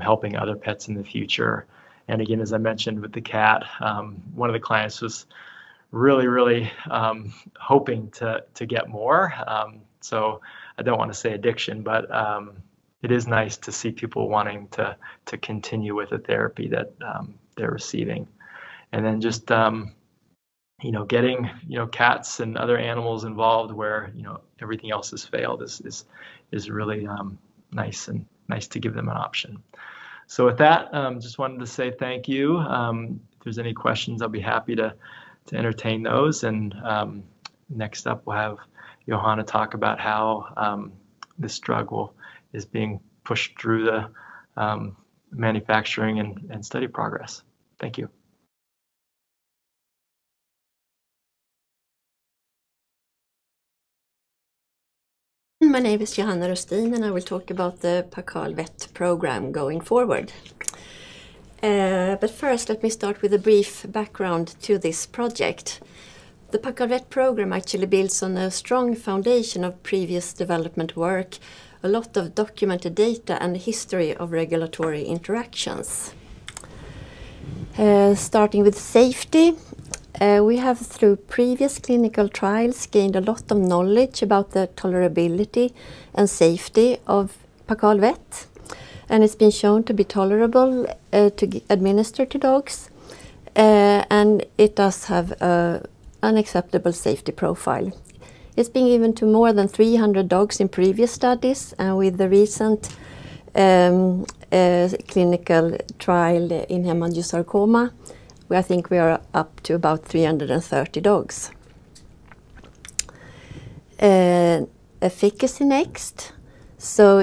helping other pets in the future. As I mentioned with the cat, one of the clients was really, really hoping to get more. I do not want to say addiction, but it is nice to see people wanting to continue with the therapy that they are receiving. Getting cats and other animals involved where everything else has failed is really nice and nice to give them an option. With that, I just wanted to say thank you. If there are any questions, I will be happy to entertain those. Next up, we will have Johanna talk about how this drug is being pushed through the manufacturing and study progress. Thank you. My name is Johanna Rostin, and I will talk about the Paccal Vet Program going forward. First, let me start with a brief background to this project. The Paccal Vet Program actually builds on a strong foundation of previous development work, a lot of documented data, and a history of regulatory interactions. Starting with safety, we have, through previous clinical trials, gained a lot of knowledge about the tolerability and safety of Paccal Vet. It has been shown to be tolerable to administer to dogs. It does have an acceptable safety profile. It has been given to more than 300 dogs in previous studies. With the recent clinical trial in hemangiosarcoma, I think we are up to about 330 dogs. Efficacy next.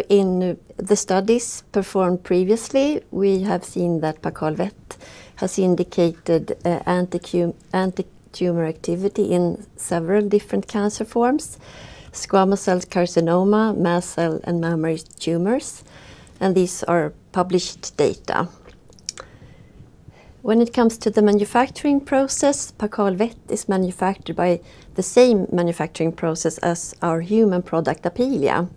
In the studies performed previously, we have seen that Paccal Vet has indicated anti-tumor activity in several different cancer forms: squamous cell carcinoma, mast cell, and mammary tumors. These are published data. When it comes to the manufacturing process, Paccal Vet is manufactured by the same manufacturing process as our human product, Apealea.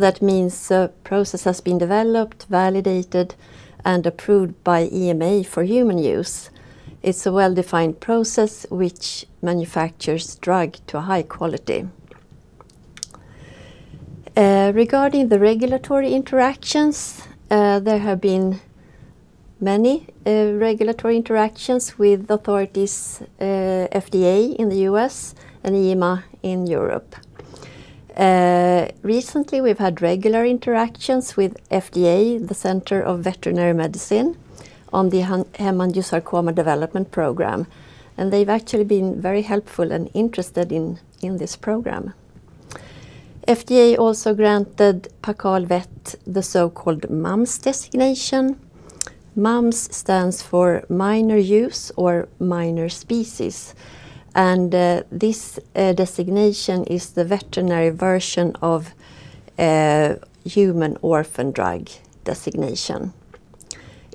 That means the process has been developed, validated, and approved by EMA for human use. It is a well-defined process which manufactures drugs to a high quality. Regarding the regulatory interactions, there have been many regulatory interactions with authorities, FDA in the U.S. and EMA in Europe. Recently, we've had regular interactions with FDA, the Center for Veterinary Medicine, on the hemangiosarcoma development program. They've actually been very helpful and interested in this program. FDA also granted Paccal Vet the so-called MUMS designation. MUMS stands for minor use or minor species. This designation is the veterinary version of human orphan drug designation.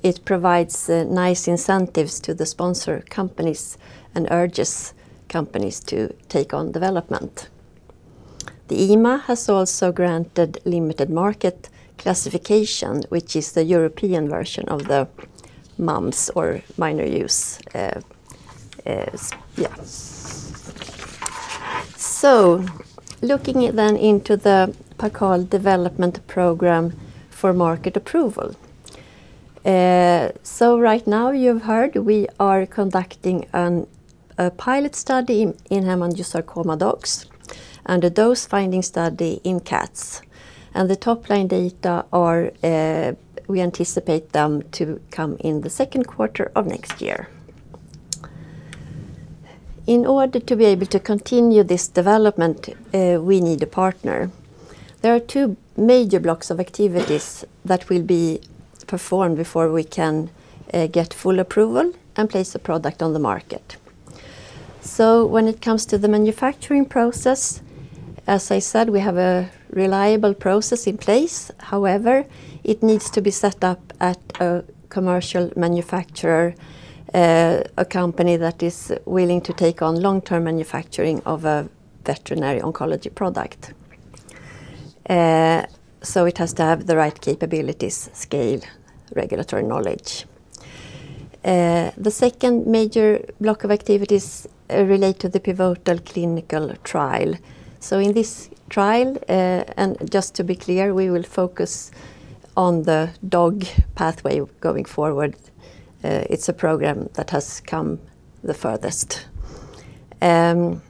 It provides nice incentives to the sponsor companies and urges companies to take on development. The EMA has also granted limited market classification, which is the European version of the MUMS or minor use. Yeah. Looking then into the Paccal Vet development program for market approval. Right now, you've heard we are conducting a pilot study in hemangiosarcoma dogs and a dose-finding study in cats. The top-line data are we anticipate them to come in the second quarter of next year. In order to be able to continue this development, we need a partner. There are two major blocks of activities that will be performed before we can get full approval and place a product on the market. When it comes to the manufacturing process, as I said, we have a reliable process in place. However, it needs to be set up at a commercial manufacturer, a company that is willing to take on long-term manufacturing of a veterinary oncology product. It has to have the right capabilities, scale, regulatory knowledge. The second major block of activities relates to the pivotal clinical trial. In this trial, and just to be clear, we will focus on the dog pathway going forward. It's a program that has come the furthest. In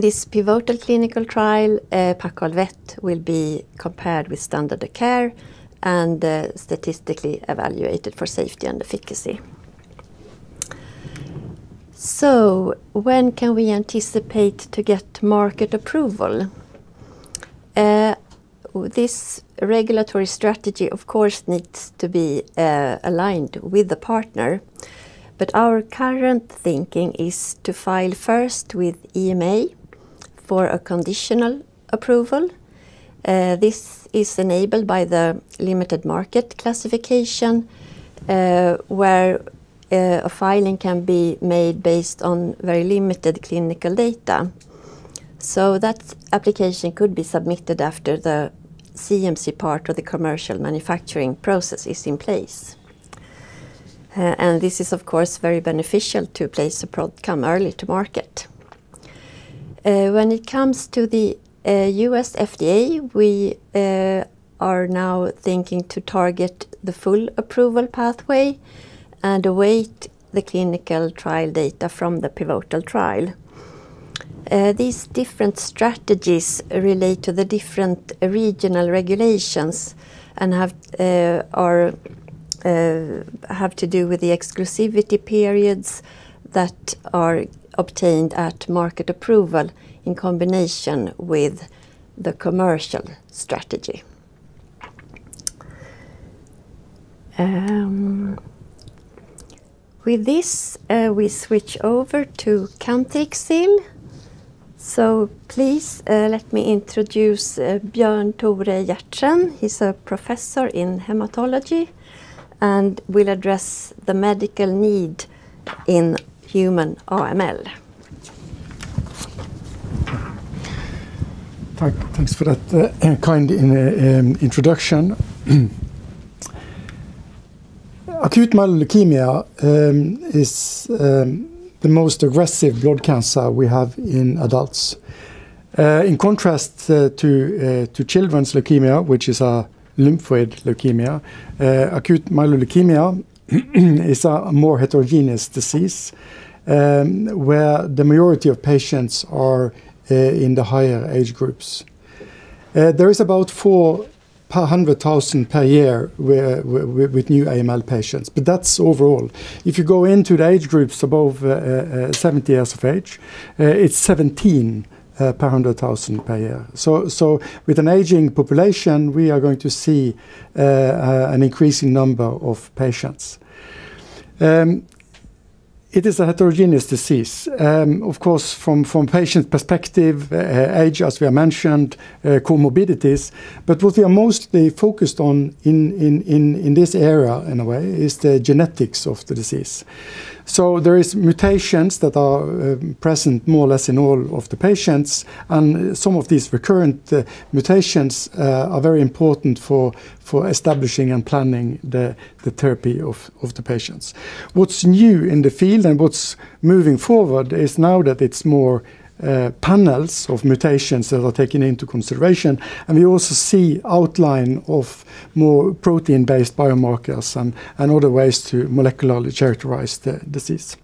this pivotal clinical trial, Paccal Vet will be compared with standard of care and statistically evaluated for safety and efficacy. When can we anticipate to get market approval? This regulatory strategy, of course, needs to be aligned with the partner. Our current thinking is to file first with EMA for a conditional approval. This is enabled by the limited market classification where a filing can be made based on very limited clinical data. That application could be submitted after the CMC part of the commercial manufacturing process is in place. This is, of course, very beneficial to place a product come early to market. When it comes to the U.S. FDA, we are now thinking to target the full approval pathway and await the clinical trial data from the pivotal trial. These different strategies relate to the different regional regulations and have to do with the exclusivity periods that are obtained at market approval in combination with the commercial strategy. With this, we switch over to Cantrixil. Please let me introduce Björn-Tore Hjertzen. He is a professor in hematology and will address the medical need in human AML. Thanks for that kind introduction. Acute myeloleukemia is the most aggressive blood cancer we have in adults. In contrast to children's leukemia, which is a lymphoid leukemia, acute myeloleukemia is a more heterogeneous disease where the majority of patients are in the higher age groups. There is about 4 per 100,000 per year with new AML patients. That is overall. If you go into the age groups above 70 years of age, it is 17 per 100,000 per year. With an aging population, we are going to see an increasing number of patients. It is a heterogeneous disease. Of course, from patient perspective, age, as we have mentioned, comorbidities. What we are mostly focused on in this area, in a way, is the genetics of the disease. There are mutations that are present more or less in all of the patients. Some of these recurrent mutations are very important for establishing and planning the therapy of the patients. What's new in the field and what's moving forward is now that it's more panels of mutations that are taken into consideration. We also see outline of more protein-based biomarkers and other ways to molecularly characterize the disease.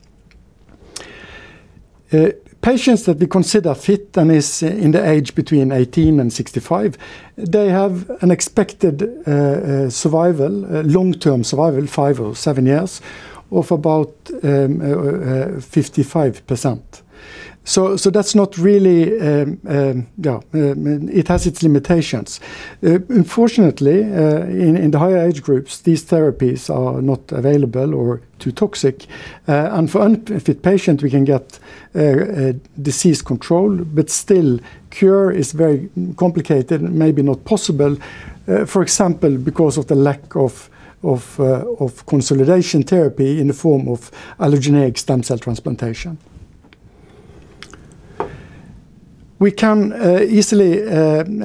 Patients that we consider fit and are in the age between 18 and 65, they have an expected long-term survival, five or seven years, of about 55%. That's not really it has its limitations. Unfortunately, in the higher age groups, these therapies are not available or too toxic. For unfit patients, we can get disease control, but still, cure is very complicated and maybe not possible, for example, because of the lack of consolidation therapy in the form of allogeneic stem cell transplantation. We can easily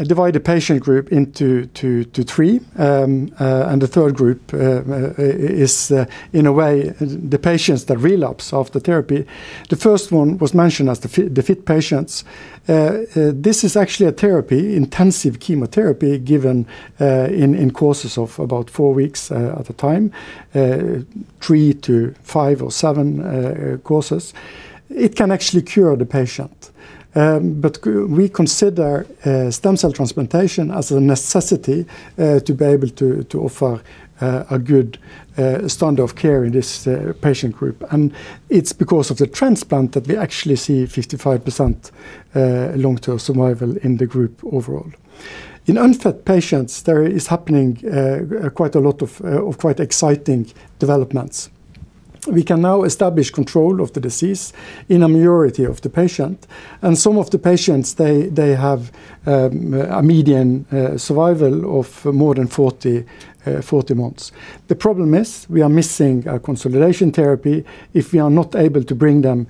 divide the patient group into 3. The third group is, in a way, the patients that relapse after therapy. The first one was mentioned as the fit patients. This is actually a therapy, intensive chemotherapy, given in courses of about four weeks at a time, 3 to five or seven courses. It can actually cure the patient. We consider stem cell transplantation as a necessity to be able to offer a good standard of care in this patient group. It is because of the transplant that we actually see 55% long-term survival in the group overall. In unfit patients, there is happening quite a lot of quite exciting developments. We can now establish control of the disease in a majority of the patients. Some of the patients, they have a median survival of more than 40 months. The problem is we are missing consolidation therapy. If we are not able to bring them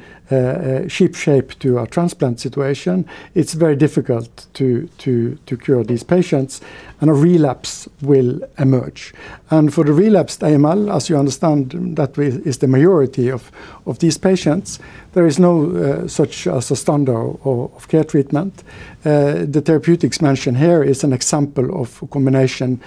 shape-shaped to a transplant situation, it's very difficult to cure these patients, and a relapse will emerge. For the relapsed AML, as you understand that is the majority of these patients, there is no such standard of care treatment. The therapeutics mentioned here is an example of combination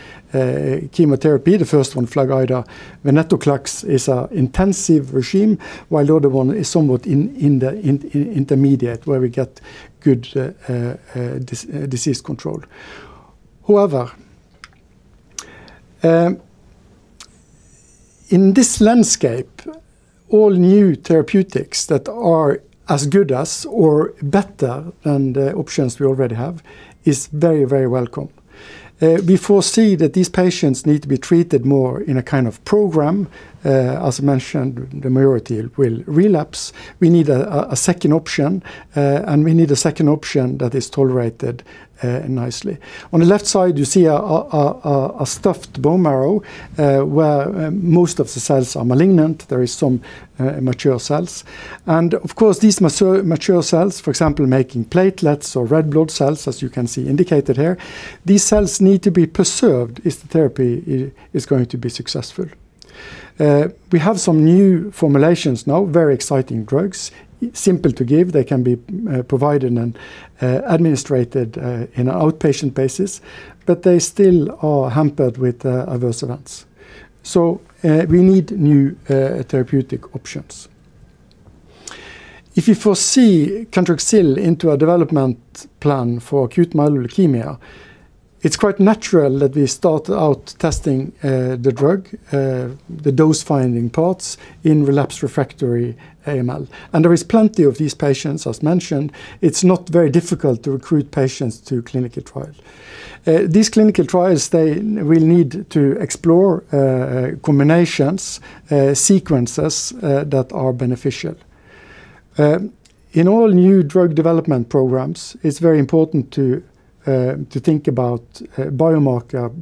chemotherapy. The first one, Flugitaxel Venetoclax, is an intensive regime, while the other one is somewhat intermediate, where we get good disease control. However, in this landscape, all new therapeutics that are as good as or better than the options we already have are very, very welcome. We foresee that these patients need to be treated more in a kind of program. As mentioned, the majority will relapse. We need a second option, and we need a second option that is tolerated nicely. On the left side, you see a stuffed bone marrow where most of the cells are malignant. There are some mature cells. Of course, these mature cells, for example, making platelets or red blood cells, as you can see indicated here, these cells need to be preserved if the therapy is going to be successful. We have some new formulations now, very exciting drugs, simple to give. They can be provided and administrated on an outpatient basis, but they still are hampered with adverse events. We need new therapeutic options. If you foresee Cantrixil into a development plan for acute myeloid leukemia, it's quite natural that we start out testing the drug, the dose-finding parts in relapse refractory AML. There are plenty of these patients, as mentioned. It's not very difficult to recruit patients to clinical trial. These clinical trials, they will need to explore combinations, sequences that are beneficial. In all new drug development programs, it's very important to think about biomarker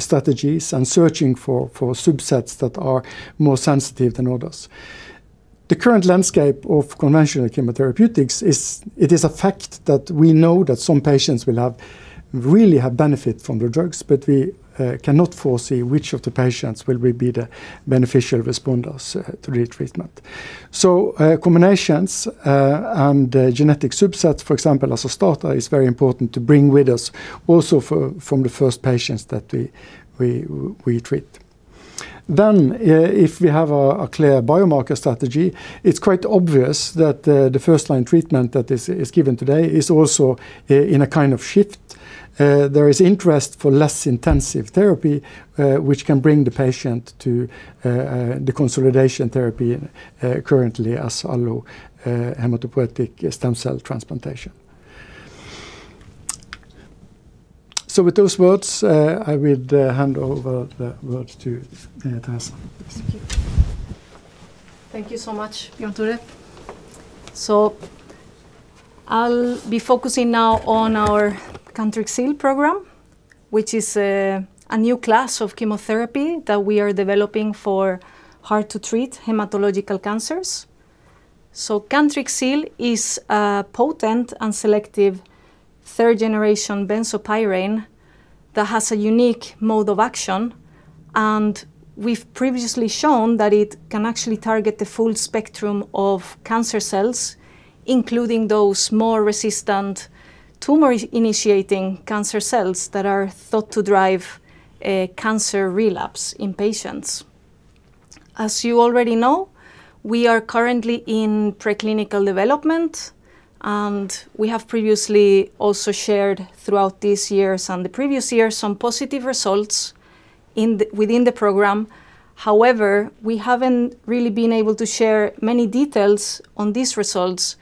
strategies and searching for subsets that are more sensitive than others. The current landscape of conventional chemotherapeutics, it is a fact that we know that some patients will really have benefit from the drugs, but we cannot foresee which of the patients will be the beneficial responders to the treatment. Combinations and genetic subsets, for example, as a starter, are very important to bring with us also from the first patients that we treat. If we have a clear biomarker strategy, it's quite obvious that the first-line treatment that is given today is also in a kind of shift. There is interest for less intensive therapy, which can bring the patient to the consolidation therapy currently as allohematopoietic stem cell transplantation. With those words, I would hand over the words to Teresa. Thank you so much, Björn-Tore. I'll be focusing now on our Cantrixil program, which is a new class of chemotherapy that we are developing for hard-to-treat hematological cancers. Cantrixil is a potent and selective third-generation benzopyrene that has a unique mode of action. We've previously shown that it can actually target the full spectrum of cancer cells, including those more resistant tumor-initiating cancer cells that are thought to drive cancer relapse in patients. As you already know, we are currently in preclinical development, and we have previously also shared throughout these years and the previous years some positive results within the program. However, we haven't really been able to share many details on these results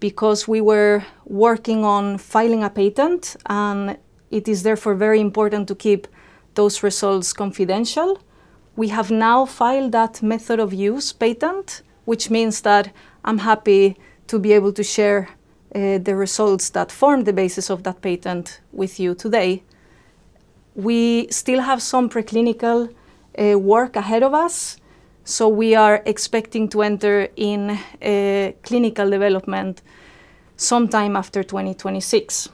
because we were working on filing a patent, and it is therefore very important to keep those results confidential. We have now filed that method of use patent, which means that I'm happy to be able to share the results that form the basis of that patent with you today. We still have some preclinical work ahead of us, so we are expecting to enter in clinical development sometime after 2026.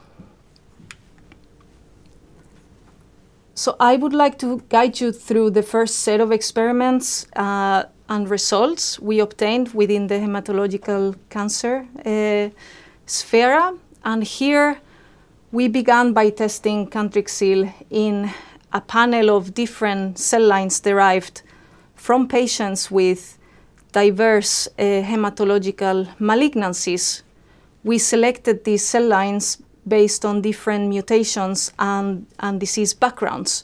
I would like to guide you through the first set of experiments and results we obtained within the hematological cancer sphere. Here, we began by testing Cantrixil in a panel of different cell lines derived from patients with diverse hematological malignancies. We selected these cell lines based on different mutations and disease backgrounds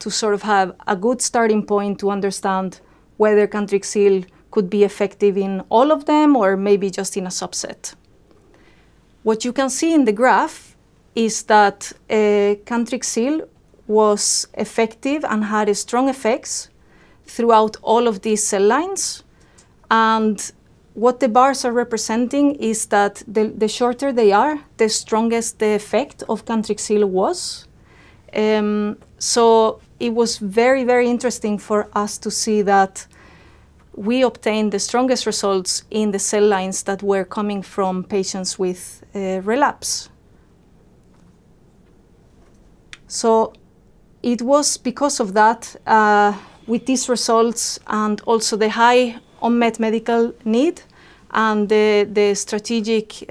to sort of have a good starting point to understand whether Cantrixil could be effective in all of them or maybe just in a subset. What you can see in the graph is that Cantrixil was effective and had strong effects throughout all of these cell lines. What the bars are representing is that the shorter they are, the stronger the effect of Cantrixil was. It was very, very interesting for us to see that we obtained the strongest results in the cell lines that were coming from patients with relapse. It was because of that, with these results and also the high unmet medical need and the strategic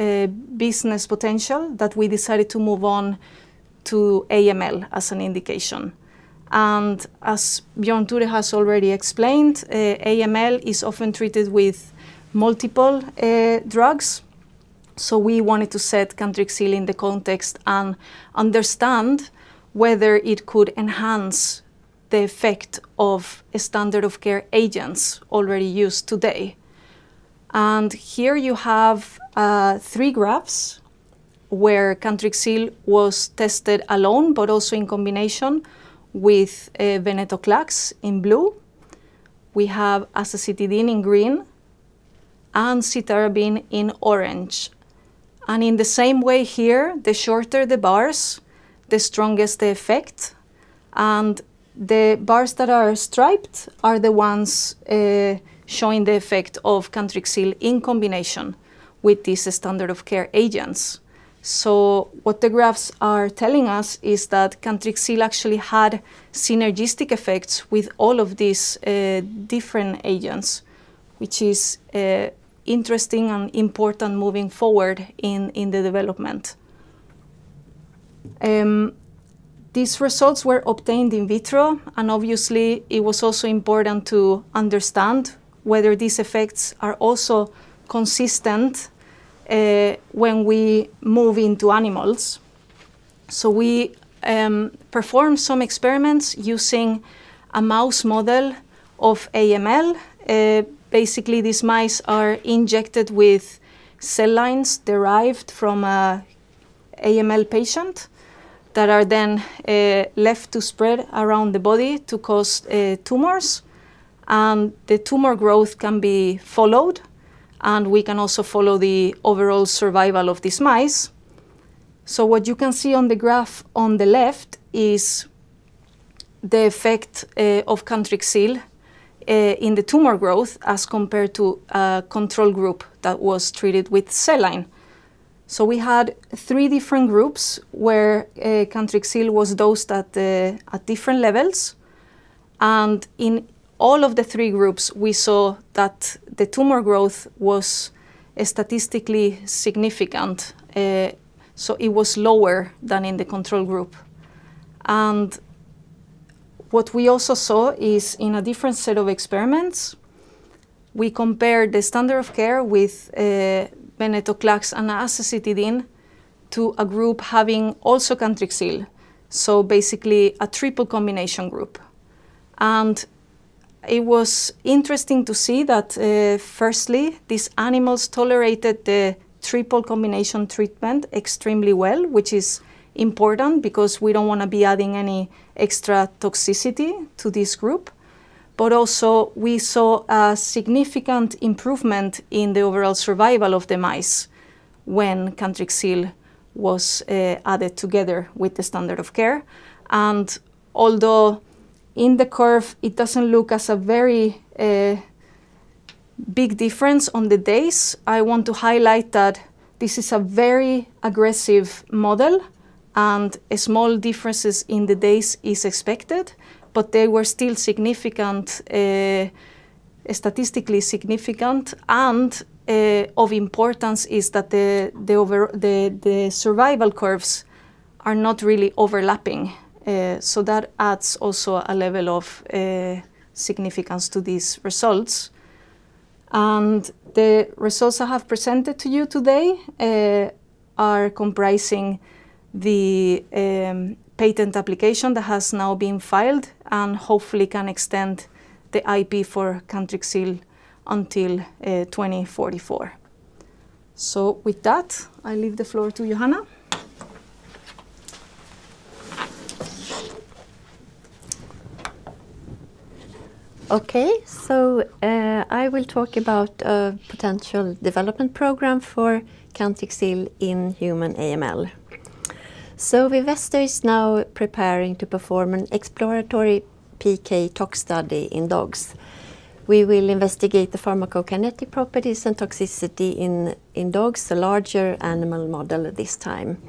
business potential that we decided to move on to AML as an indication. As Björn-Tore has already explained, AML is often treated with multiple drugs. We wanted to set Cantrixil in the context and understand whether it could enhance the effect of standard of care agents already used today. Here you have 3 graphs where Cantrixil was tested alone, but also in combination with Venetoclax in blue. We have Azacitidine in green and Cytarabine in orange. In the same way here, the shorter the bars, the strongest the effect. The bars that are striped are the ones showing the effect of Cantrixil in combination with these standard of care agents. What the graphs are telling us is that Cantrixil actually had synergistic effects with all of these different agents, which is interesting and important moving forward in the development. These results were obtained in vitro, and obviously, it was also important to understand whether these effects are also consistent when we move into animals. We performed some experiments using a mouse model of AML. Basically, these mice are injected with cell lines derived from an AML patient that are then left to spread around the body to cause tumors. The tumor growth can be followed, and we can also follow the overall survival of these mice. What you can see on the graph on the left is the effect of Cantrixil in the tumor growth as compared to a control group that was treated with cell line. We had 3 different groups where Cantrixil was dosed at different levels. In all of the 3 groups, we saw that the tumor growth was statistically significant. It was lower than in the control group. What we also saw is in a different set of experiments, we compared the standard of care with Venetoclax and Acesitidine to a group having also Cantrixil, so basically a triple combination group. It was interesting to see that, firstly, these animals tolerated the triple combination treatment extremely well, which is important because we do not want to be adding any extra toxicity to this group. We also saw a significant improvement in the overall survival of the mice when Cantrixil was added together with the standard of care. Although in the curve, it does not look as a very big difference on the days, I want to highlight that this is a very aggressive model, and small differences in the days are expected, but they were still significant, statistically significant. Of importance is that the survival curves are not really overlapping. That adds also a level of significance to these results. The results I have presented to you today are comprising the patent application that has now been filed and hopefully can extend the IP for Cantrixil until 2044. With that, I leave the floor to Johanna. Okay, I will talk about a potential development program for Cantrixil in human AML. Vivesto is now preparing to perform an exploratory PK tox study in dogs. We will investigate the pharmacokinetic properties and toxicity in dogs, a larger animal model this time.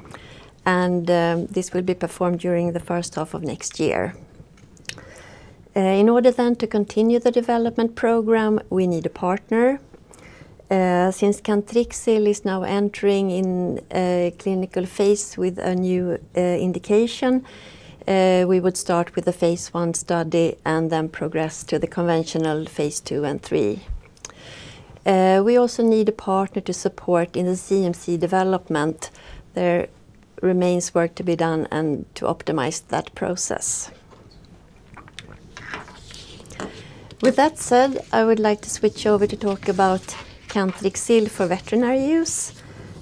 This will be performed during the first half of next year. In order then to continue the development program, we need a partner. Since Cantrixil is now entering in clinical phase with a new indication, we would start with a phase I study and then progress to the conventional phase II and III. We also need a partner to support in the CMC development. There remains work to be done and to optimize that process. With that said, I would like to switch over to talk about Cantrixil for veterinary use.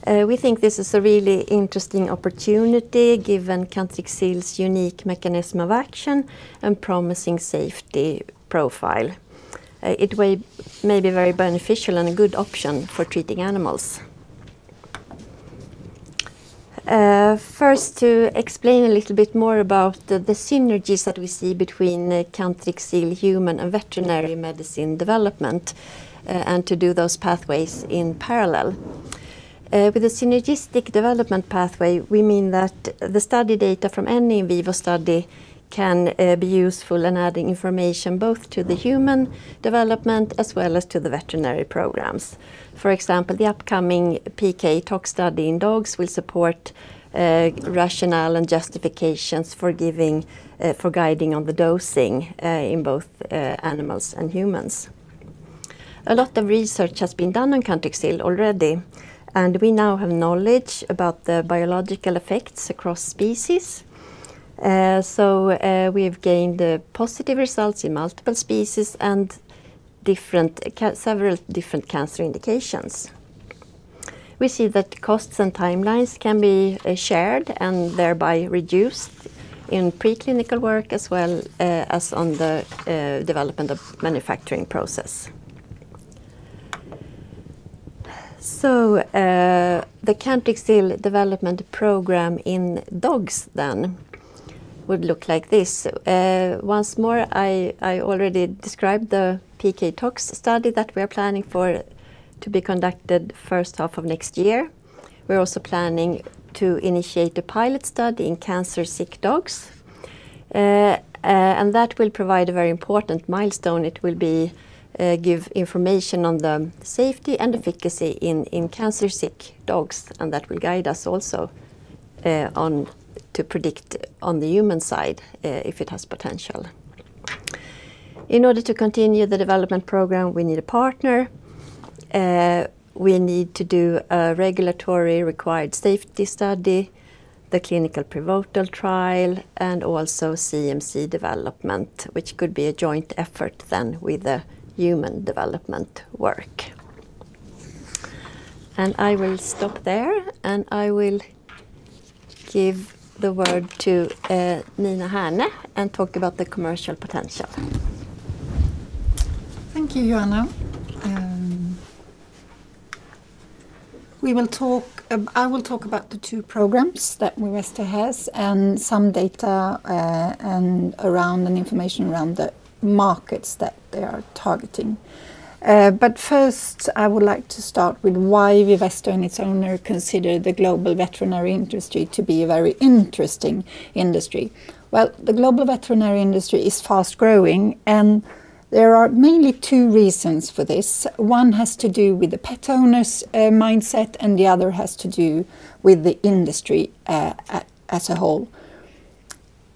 We think this is a really interesting opportunity given Cantrixil's unique mechanism of action and promising safety profile. It may be very beneficial and a good option for treating animals. First, to explain a little bit more about the synergies that we see between Cantrixil human and veterinary medicine development and to do those pathways in parallel. With a synergistic development pathway, we mean that the study data from any in vivo study can be useful in adding information both to the human development as well as to the veterinary programs. For example, the upcoming PK talk study in dogs will support rationale and justifications for guiding on the dosing in both animals and humans. A lot of research has been done on Cantrixil already, and we now have knowledge about the biological effects across species. We have gained positive results in multiple species and several different cancer indications. We see that costs and timelines can be shared and thereby reduced in preclinical work as well as on the development of manufacturing process. The Cantrixil development program in dogs then would look like this. Once more, I already described the PK talk study that we are planning for to be conducted first half of next year. We are also planning to initiate a pilot study in cancer sick dogs. That will provide a very important milestone. It will give information on the safety and efficacy in cancer sick dogs, and that will guide us also to predict on the human side if it has potential. In order to continue the development program, we need a partner. We need to do a regulatory required safety study, the clinical pivotal trial, and also CMC development, which could be a joint effort then with the human development work. I will stop there, and I will give the word to Nina Herner and talk about the commercial potential. Thank you, Johanna. I will talk about the two programs that Vivesto has and some data around and information around the markets that they are targeting. First, I would like to start with why Vivesto and its owner consider the global veterinary industry to be a very interesting industry. The global veterinary industry is fast growing, and there are mainly two reasons for this. One has to do with the pet owners' mindset, and the other has to do with the industry as a whole.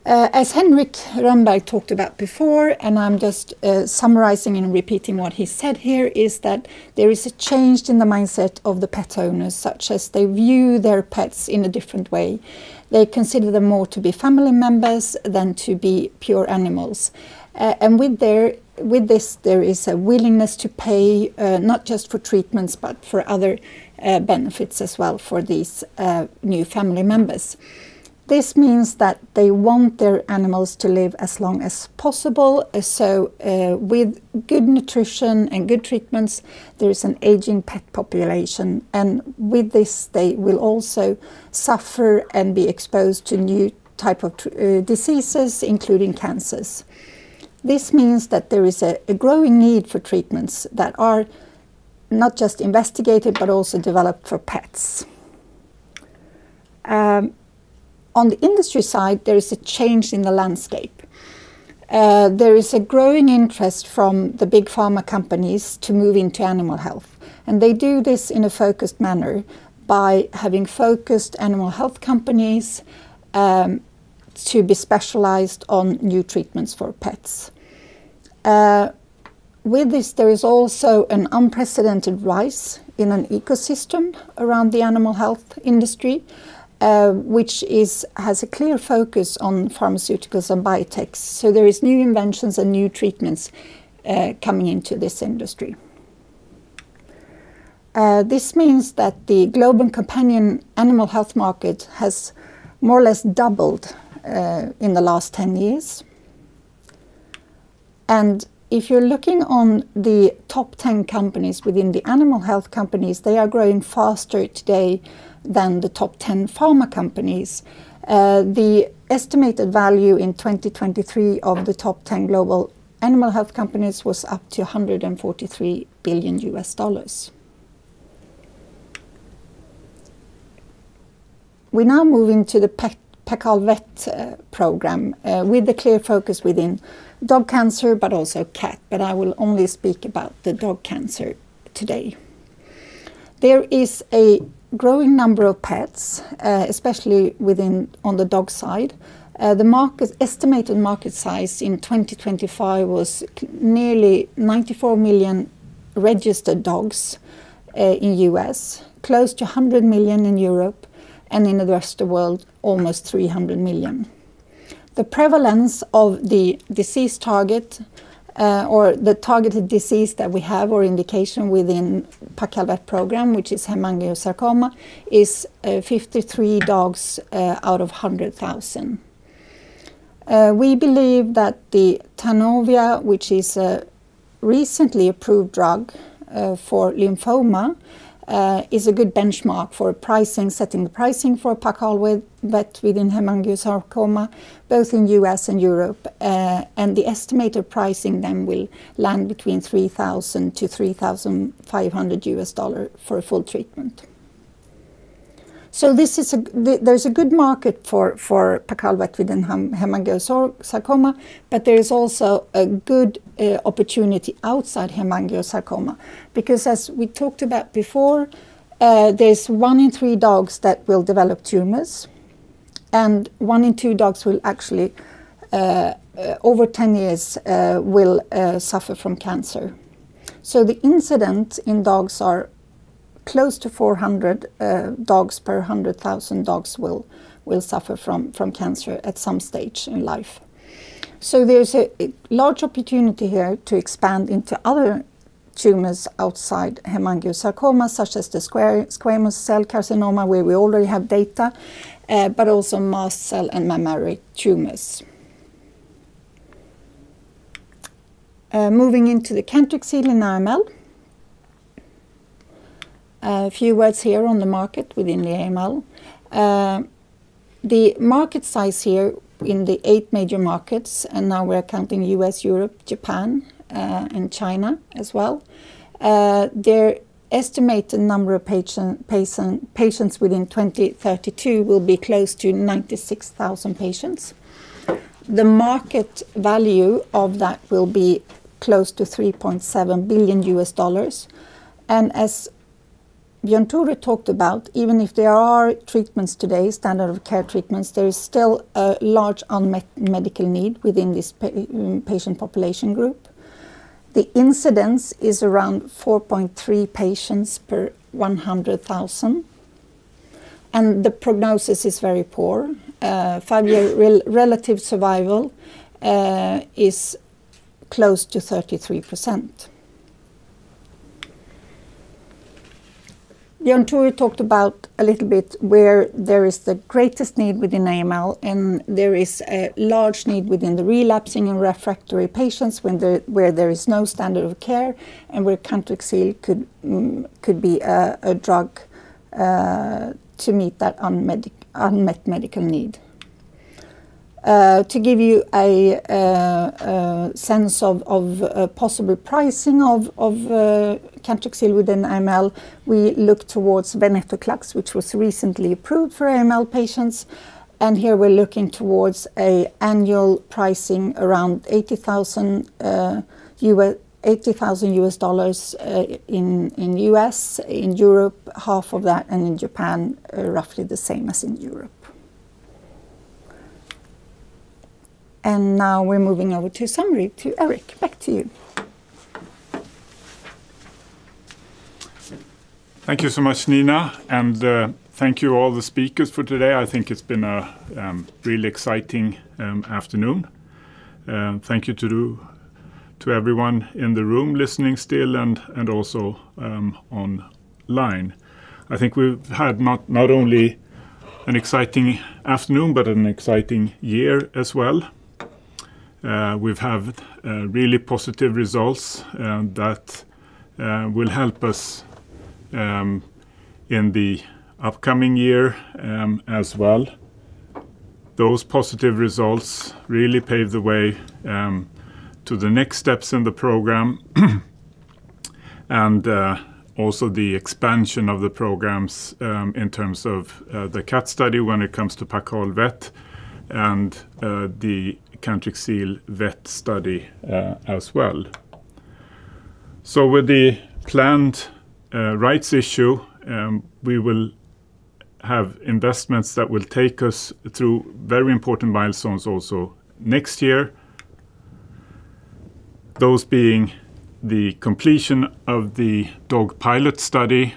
As Henrik Rönnberg talked about before, and I'm just summarizing and repeating what he said here, there is a change in the mindset of the pet owners, such as they view their pets in a different way. They consider them more to be family members than to be pure animals. With this, there is a willingness to pay not just for treatments, but for other benefits as well for these new family members. This means that they want their animals to live as long as possible. With good nutrition and good treatments, there is an aging pet population. With this, they will also suffer and be exposed to new types of diseases, including cancers. This means that there is a growing need for treatments that are not just investigated, but also developed for pets. On the industry side, there is a change in the landscape. There is a growing interest from the big pharma companies to move into animal health. They do this in a focused manner by having focused animal health companies to be specialized on new treatments for pets. With this, there is also an unprecedented rise in an ecosystem around the animal health industry, which has a clear focus on pharmaceuticals and biotechs. There are new inventions and new treatments coming into this industry. This means that the global companion animal health market has more or less doubled in the last 10 years. If you're looking on the top 10 companies within the animal health companies, they are growing faster today than the top 10 pharma companies. The estimated value in 2023 of the top 10 global animal health companies was up to $143 billion. We now move into the Paccal Vet program with a clear focus within dog cancer, but also cat. I will only speak about the dog cancer today. There is a growing number of pets, especially on the dog side. The estimated market size in 2025 was nearly 94 million registered dogs in the U.S., close to 100 million in Europe, and in the rest of the world, almost 300 million. The prevalence of the disease target or the targeted disease that we have or indication within the Paccal Vet program, which is hemangiosarcoma, is 53 dogs out of 100,000. We believe that Tanovea, which is a recently approved drug for lymphoma, is a good benchmark for setting the pricing for Paccal Vet within hemangiosarcoma, both in the U.S. and Europe. The estimated pricing then will land between $3,000-$3,500 for a full treatment. There is a good market for Paccal Vet within hemangiosarcoma, but there is also a good opportunity outside hemangiosarcoma because, as we talked about before, there is one in 3 dogs that will develop tumors, and 1 in 2 dogs will actually, over 10 years, suffer from cancer. The incidence in dogs is close to 400 dogs per 100,000 dogs that will suffer from cancer at some stage in life. There is a large opportunity here to expand into other tumors outside hemangiosarcoma, such as squamous cell carcinoma, where we already have data, but also mast cell and mammary tumors. Moving into the Cantrixil in AML. A few words here on the market within AML. The market size here in the 8 major markets, and now we are counting the U.S., Europe, Japan, and China as well. The estimated number of patients within 2032 will be close to 96,000 patients. The market value of that will be close to $3.7 billion. As Björn-Tore talked about, even if there are treatments today, standard of care treatments, there is still a large unmet medical need within this patient population group. The incidence is around 4.3 patients per 100,000. The prognosis is very poor. Five-year relative survival is close to 33%. Björn-Tore talked about a little bit where there is the greatest need within AML, and there is a large need within the relapsing and refractory patients where there is no standard of care, and where Cantrixil could be a drug to meet that unmet medical need. To give you a sense of possible pricing of Cantrixil within AML, we look towards Venetoclax, which was recently approved for AML patients. Here we're looking towards an annual pricing around $80,000 in the U.S., in Europe, half of that, and in Japan, roughly the same as in Europe. Now we're moving over to summary to Eric. Back to you. Thank you so much, Nina. And thank you all the speakers for today. I think it's been a really exciting afternoon. Thank you to everyone in the room listening still and also online. I think we've had not only an exciting afternoon, but an exciting year as well. We've had really positive results that will help us in the upcoming year as well. Those positive results really pave the way to the next steps in the program and also the expansion of the programs in terms of the cat study when it comes to Paccal Vet and the Cantrixil vet study as well. With the planned rights issue, we will have investments that will take us through very important milestones also next year, those being the completion of the dog pilot study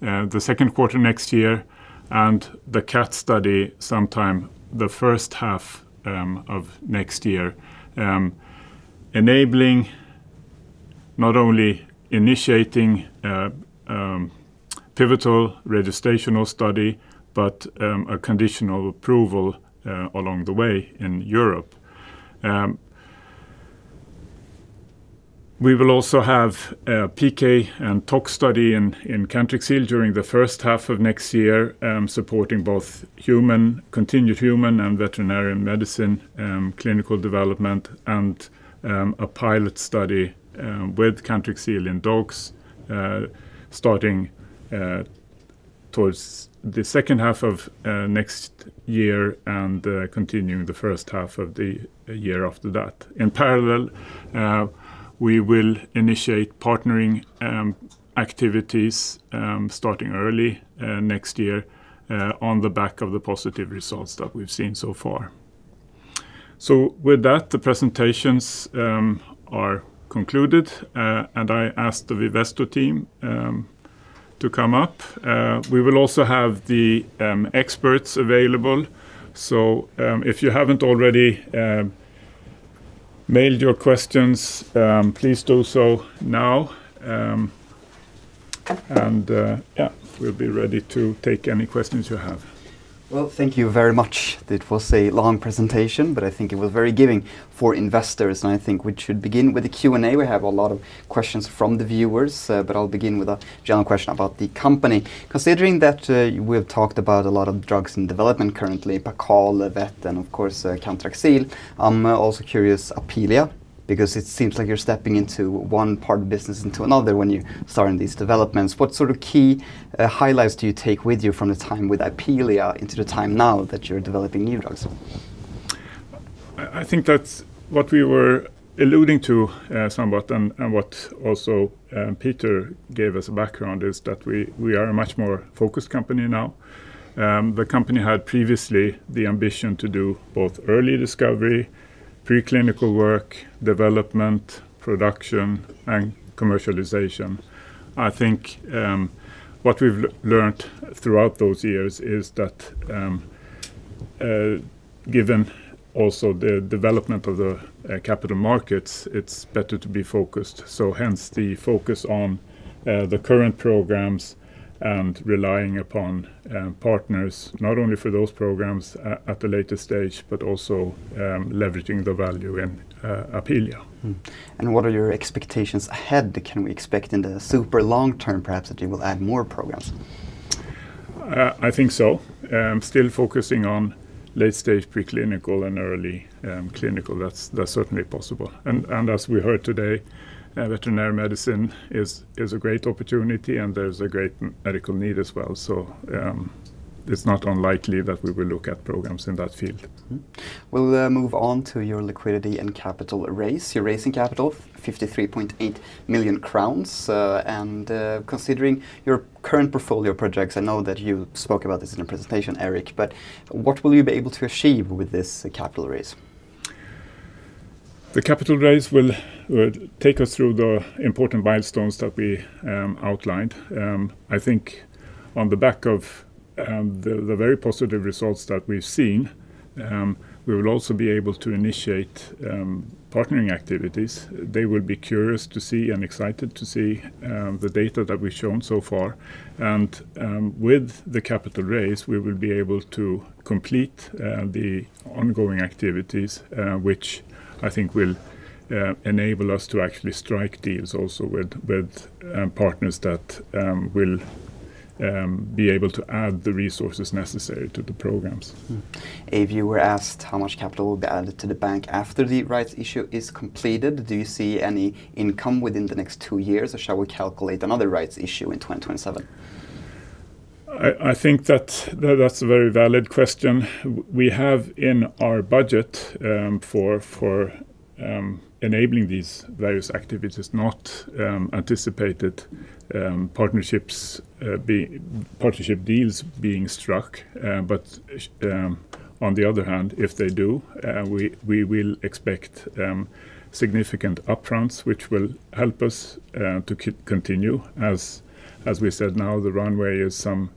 the second quarter next year and the cat study sometime the first half of next year, enabling not only initiating pivotal registrational study, but a conditional approval along the way in Europe. We will also have a PK and tox study in Cantrixil during the first half of next year, supporting both continued human and veterinarian medicine clinical development and a pilot study with Cantrixil in dogs starting towards the second half of next year and continuing the first half of the year after that. In parallel, we will initiate partnering activities starting early next year on the back of the positive results that we've seen so far. With that, the presentations are concluded, and I asked the Vivesto team to come up. We will also have the experts available. If you have not already mailed your questions, please do so now. Yeah, we will be ready to take any questions you have. Thank you very much. It was a long presentation, but I think it was very giving for investors. I think we should begin with the Q&A. We have a lot of questions from the viewers, but I will begin with a general question about the company. Considering that we have talked about a lot of drugs in development currently, Paccal Vet and of course Cantrixil, I am also curious about Apealea, because it seems like you are stepping into one part of business into another when you start in these developments. What sort of key highlights do you take with you from the time with Apalea into the time now that you're developing new drugs? I think that's what we were alluding to somewhat, and what also Peter gave us a background is that we are a much more focused company now. The company had previously the ambition to do both early discovery, preclinical work, development, production, and commercialization. I think what we've learned throughout those years is that given also the development of the capital markets, it's better to be focused. Hence the focus on the current programs and relying upon partners not only for those programs at the latest stage, but also leveraging the value in Apalea. What are your expectations ahead? Can we expect in the super long term perhaps that you will add more programs? I think so. Still focusing on late stage preclinical and early clinical, that's certainly possible. As we heard today, veterinary medicine is a great opportunity, and there's a great medical need as well. It's not unlikely that we will look at programs in that field. We'll move on to your liquidity and capital raise. You're raising capital of 53.8 million crowns. Considering your current portfolio projects, I know that you spoke about this in a presentation, Eric, but what will you be able to achieve with this capital raise? The capital raise will take us through the important milestones that we outlined. I think on the back of the very positive results that we've seen, we will also be able to initiate partnering activities. They will be curious to see and excited to see the data that we've shown so far. With the capital raise, we will be able to complete the ongoing activities, which I think will enable us to actually strike deals also with partners that will be able to add the resources necessary to the programs. If you were asked how much capital will be added to the bank after the rights issue is completed, do you see any income within the next two years, or shall we calculate another rights issue in 2027? I think that that's a very valid question. We have in our budget for enabling these various activities, not anticipated partnership deals being struck. On the other hand, if they do, we will expect significant upfronts, which will help us to continue. As we said, now the runway is some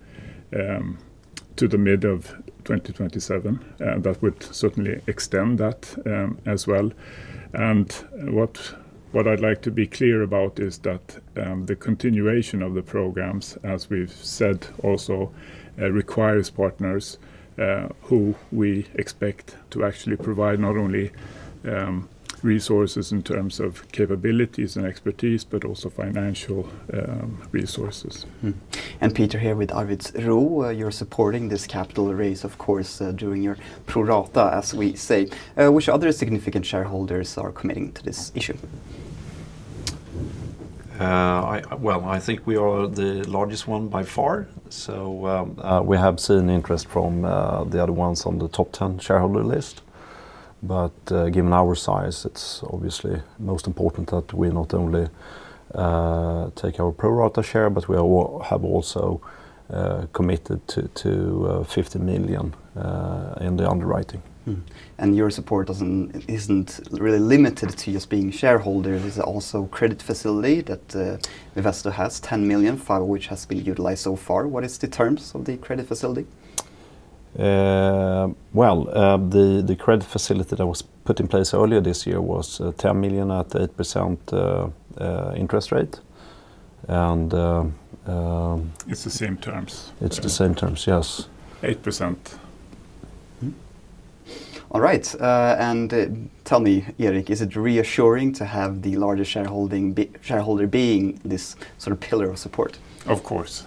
to the mid of 2027. That would certainly extend that as well. What I'd like to be clear about is that the continuation of the programs, as we've said, also requires partners who we expect to actually provide not only resources in terms of capabilities and expertise, but also financial resources. Peter here with Arwidsro, you're supporting this capital raise, of course, during your prorata, as we say. Which other significant shareholders are committing to this issue? I think we are the largest one by far. We have seen interest from the other ones on the top 10 shareholder list. Given our size, it's obviously most important that we not only take our prorata share, but we have also committed to 50 million in the underwriting. Your support isn't really limited to just being shareholders. It's also a credit facility that Vivesto has, 10 million, five of which has been utilized so far. What are the terms of the credit facility? The credit facility that was put in place earlier this year was 10 million at 8% interest rate. It is the same terms. It is the same terms, yes. 8%. All right. Tell me, Eric, is it reassuring to have the largest shareholder being this sort of pillar of support? Of course.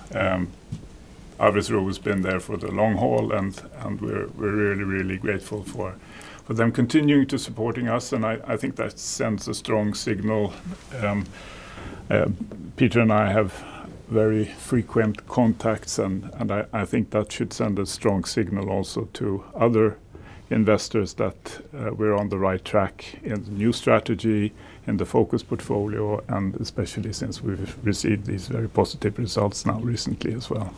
Arwidsro has been there for the long haul, and we are really, really grateful for them continuing to support us. I think that sends a strong signal. Peter and I have very frequent contacts, and I think that should send a strong signal also to other investors that we are on the right track in the new strategy, in the focus portfolio, and especially since we have received these very positive results now recently as well.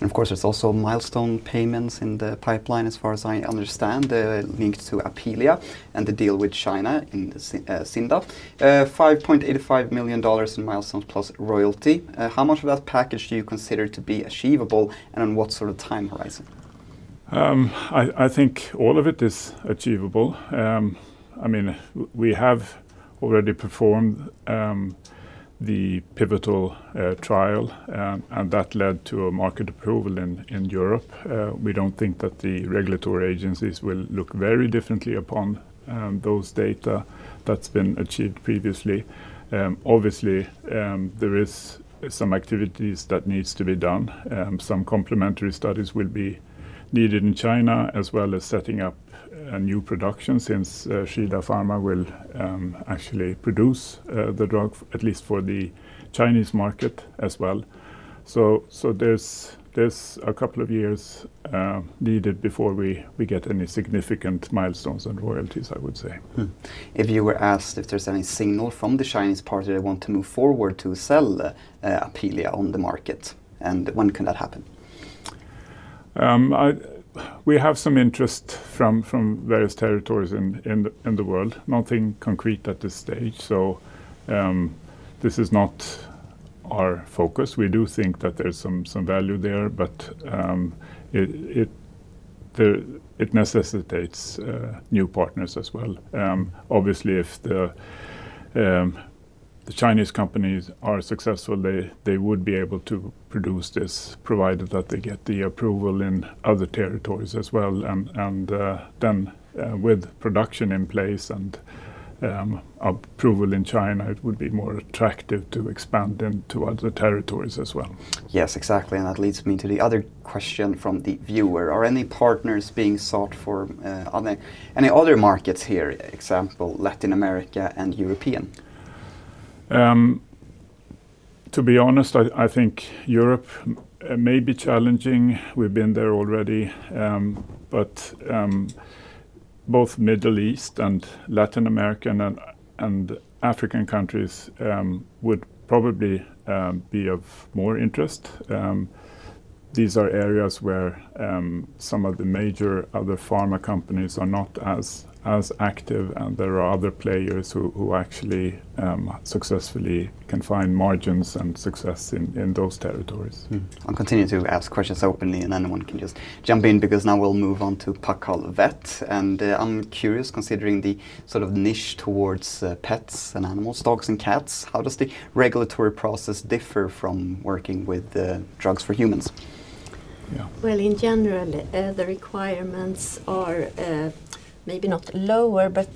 Of course, there's also milestone payments in the pipeline, as far as I understand, linked to Apealea and the deal with China in Shida, $5.85 million in milestones plus royalty. How much of that package do you consider to be achievable, and on what sort of time horizon? I think all of it is achievable. I mean, we have already performed the pivotal trial, and that led to a market approval in Europe. We don't think that the regulatory agencies will look very differently upon those data that's been achieved previously. Obviously, there is some activities that need to be done. Some complementary studies will be needed in China, as well as setting up a new production since Shida Pharma will actually produce the drug, at least for the Chinese market as well. There's a couple of years needed before we get any significant milestones and royalties, I would say. If you were asked if there's any signal from the Chinese party that want to move forward to sell Apealea on the market, and when can that happen? We have some interest from various territories in the world. Nothing concrete at this stage. This is not our focus. We do think that there's some value there, but it necessitates new partners as well. Obviously, if the Chinese companies are successful, they would be able to produce this, provided that they get the approval in other territories as well. With production in place and approval in China, it would be more attractive to expand into other territories as well. Yes, exactly. That leads me to the other question from the viewer. Are any partners being sought for any other markets here, example, Latin America and European? To be honest, I think Europe may be challenging. We've been there already. Both Middle East and Latin American and African countries would probably be of more interest. These are areas where some of the major other pharma companies are not as active, and there are other players who actually successfully can find margins and success in those territories. I'll continue to ask questions openly, and anyone can just jump in, because now we'll move on to Paccal Vet. I'm curious, considering the sort of niche towards pets and animals, dogs and cats, how does the regulatory process differ from working with drugs for humans? In general, the requirements are maybe not lower, but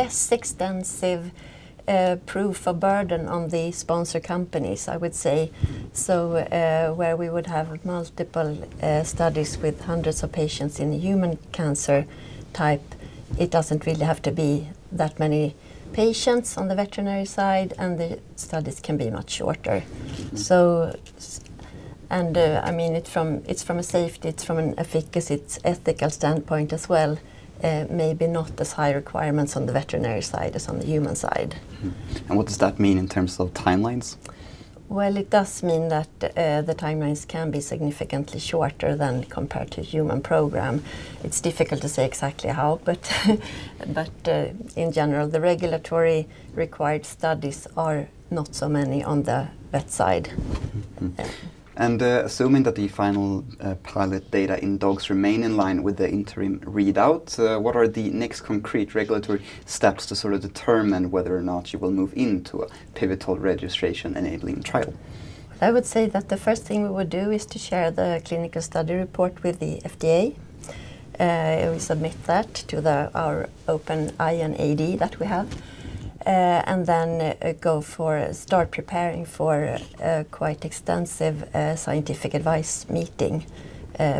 less extensive proof of burden on the sponsor companies, I would say. Where we would have multiple studies with hundreds of patients in human cancer type, it doesn't really have to be that many patients on the veterinary side, and the studies can be much shorter. I mean, it's from a safety, it's from an ethical standpoint as well, maybe not as high requirements on the veterinary side as on the human side. What does that mean in terms of timelines? It does mean that the timelines can be significantly shorter than compared to human program. It's difficult to say exactly how, but in general, the regulatory required studies are not so many on the vet side. Assuming that the final pilot data in dogs remain in line with the interim readout, what are the next concrete regulatory steps to sort of determine whether or not you will move into a pivotal registration enabling trial? I would say that the first thing we would do is to share the clinical study report with the FDA. We submit that to our open INAD that we have, and then go for start preparing for quite extensive scientific advice meeting,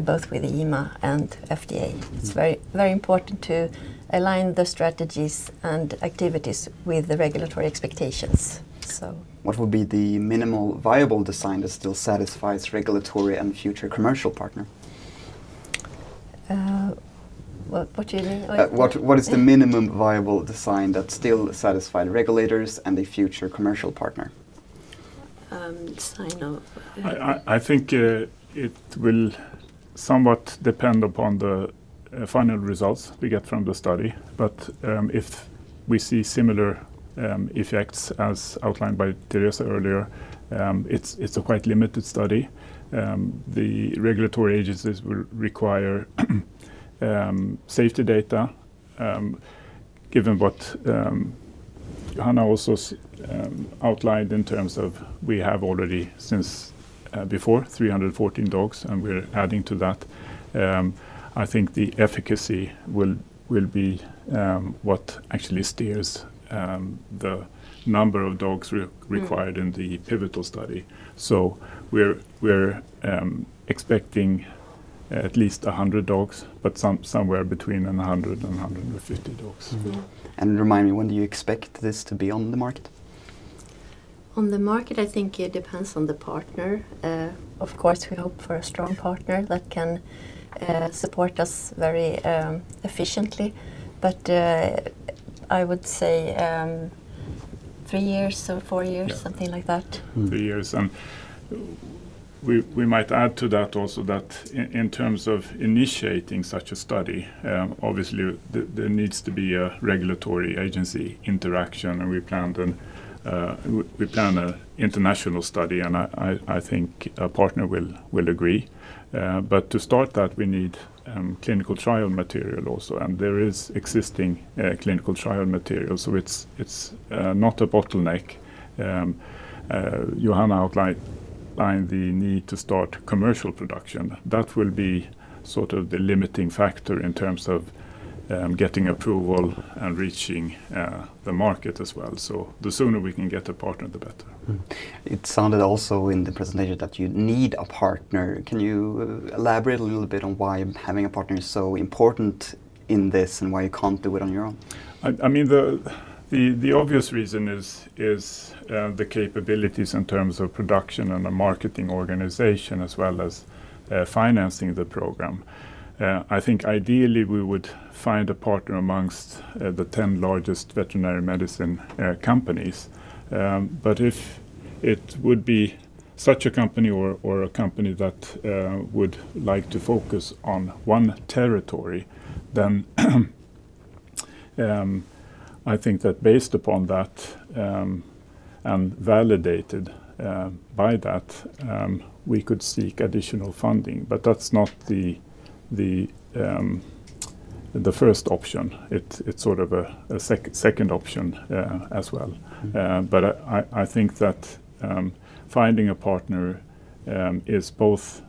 both with EMA and FDA. It's very important to align the strategies and activities with the regulatory expectations. What would be the minimal viable design that still satisfies regulatory and future commercial partner? What do you mean? What is the minimum viable design that still satisfied regulators and a future commercial partner? I think it will somewhat depend upon the final results we get from the study. But if we see similar effects as outlined by Teresa earlier, it's a quite limited study. The regulatory agencies will require safety data, given what Johanna also outlined in terms of we have already since before 314 dogs, and we're adding to that. I think the efficacy will be what actually steers the number of dogs required in the pivotal study. We are expecting at least 100 dogs, but somewhere between 100 and 150 dogs. Remind me, when do you expect this to be on the market? On the market, I think it depends on the partner. Of course, we hope for a strong partner that can support us very efficiently. I would say 3 years or four years, something like that. 3 years. We might add to that also that in terms of initiating such a study, obviously there needs to be a regulatory agency interaction, and we plan an international study, and I think a partner will agree. To start that, we need clinical trial material also, and there is existing clinical trial material. It is not a bottleneck. Johanna outlined the need to start commercial production. That will be sort of the limiting factor in terms of getting approval and reaching the market as well. The sooner we can get a partner, the better. It sounded also in the presentation that you need a partner. Can you elaborate a little bit on why having a partner is so important in this and why you can't do it on your own? I mean, the obvious reason is the capabilities in terms of production and a marketing organization, as well as financing the program. I think ideally we would find a partner amongst the 10 largest veterinary medicine companies. If it would be such a company or a company that would like to focus on one territory, then I think that based upon that and validated by that, we could seek additional funding. That is not the first option. It is sort of a second option as well. I think that finding a partner is both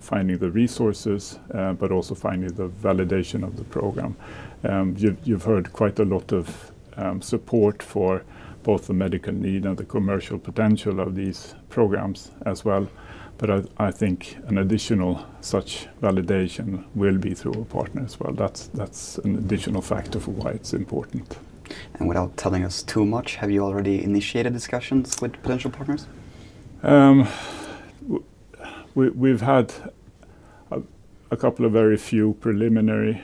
finding the resources, but also finding the validation of the program. You have heard quite a lot of support for both the medical need and the commercial potential of these programs as well. I think an additional such validation will be through a partner as well. That is an additional factor for why it is important. Without telling us too much, have you already initiated discussions with potential partners? We have had a couple of very few preliminary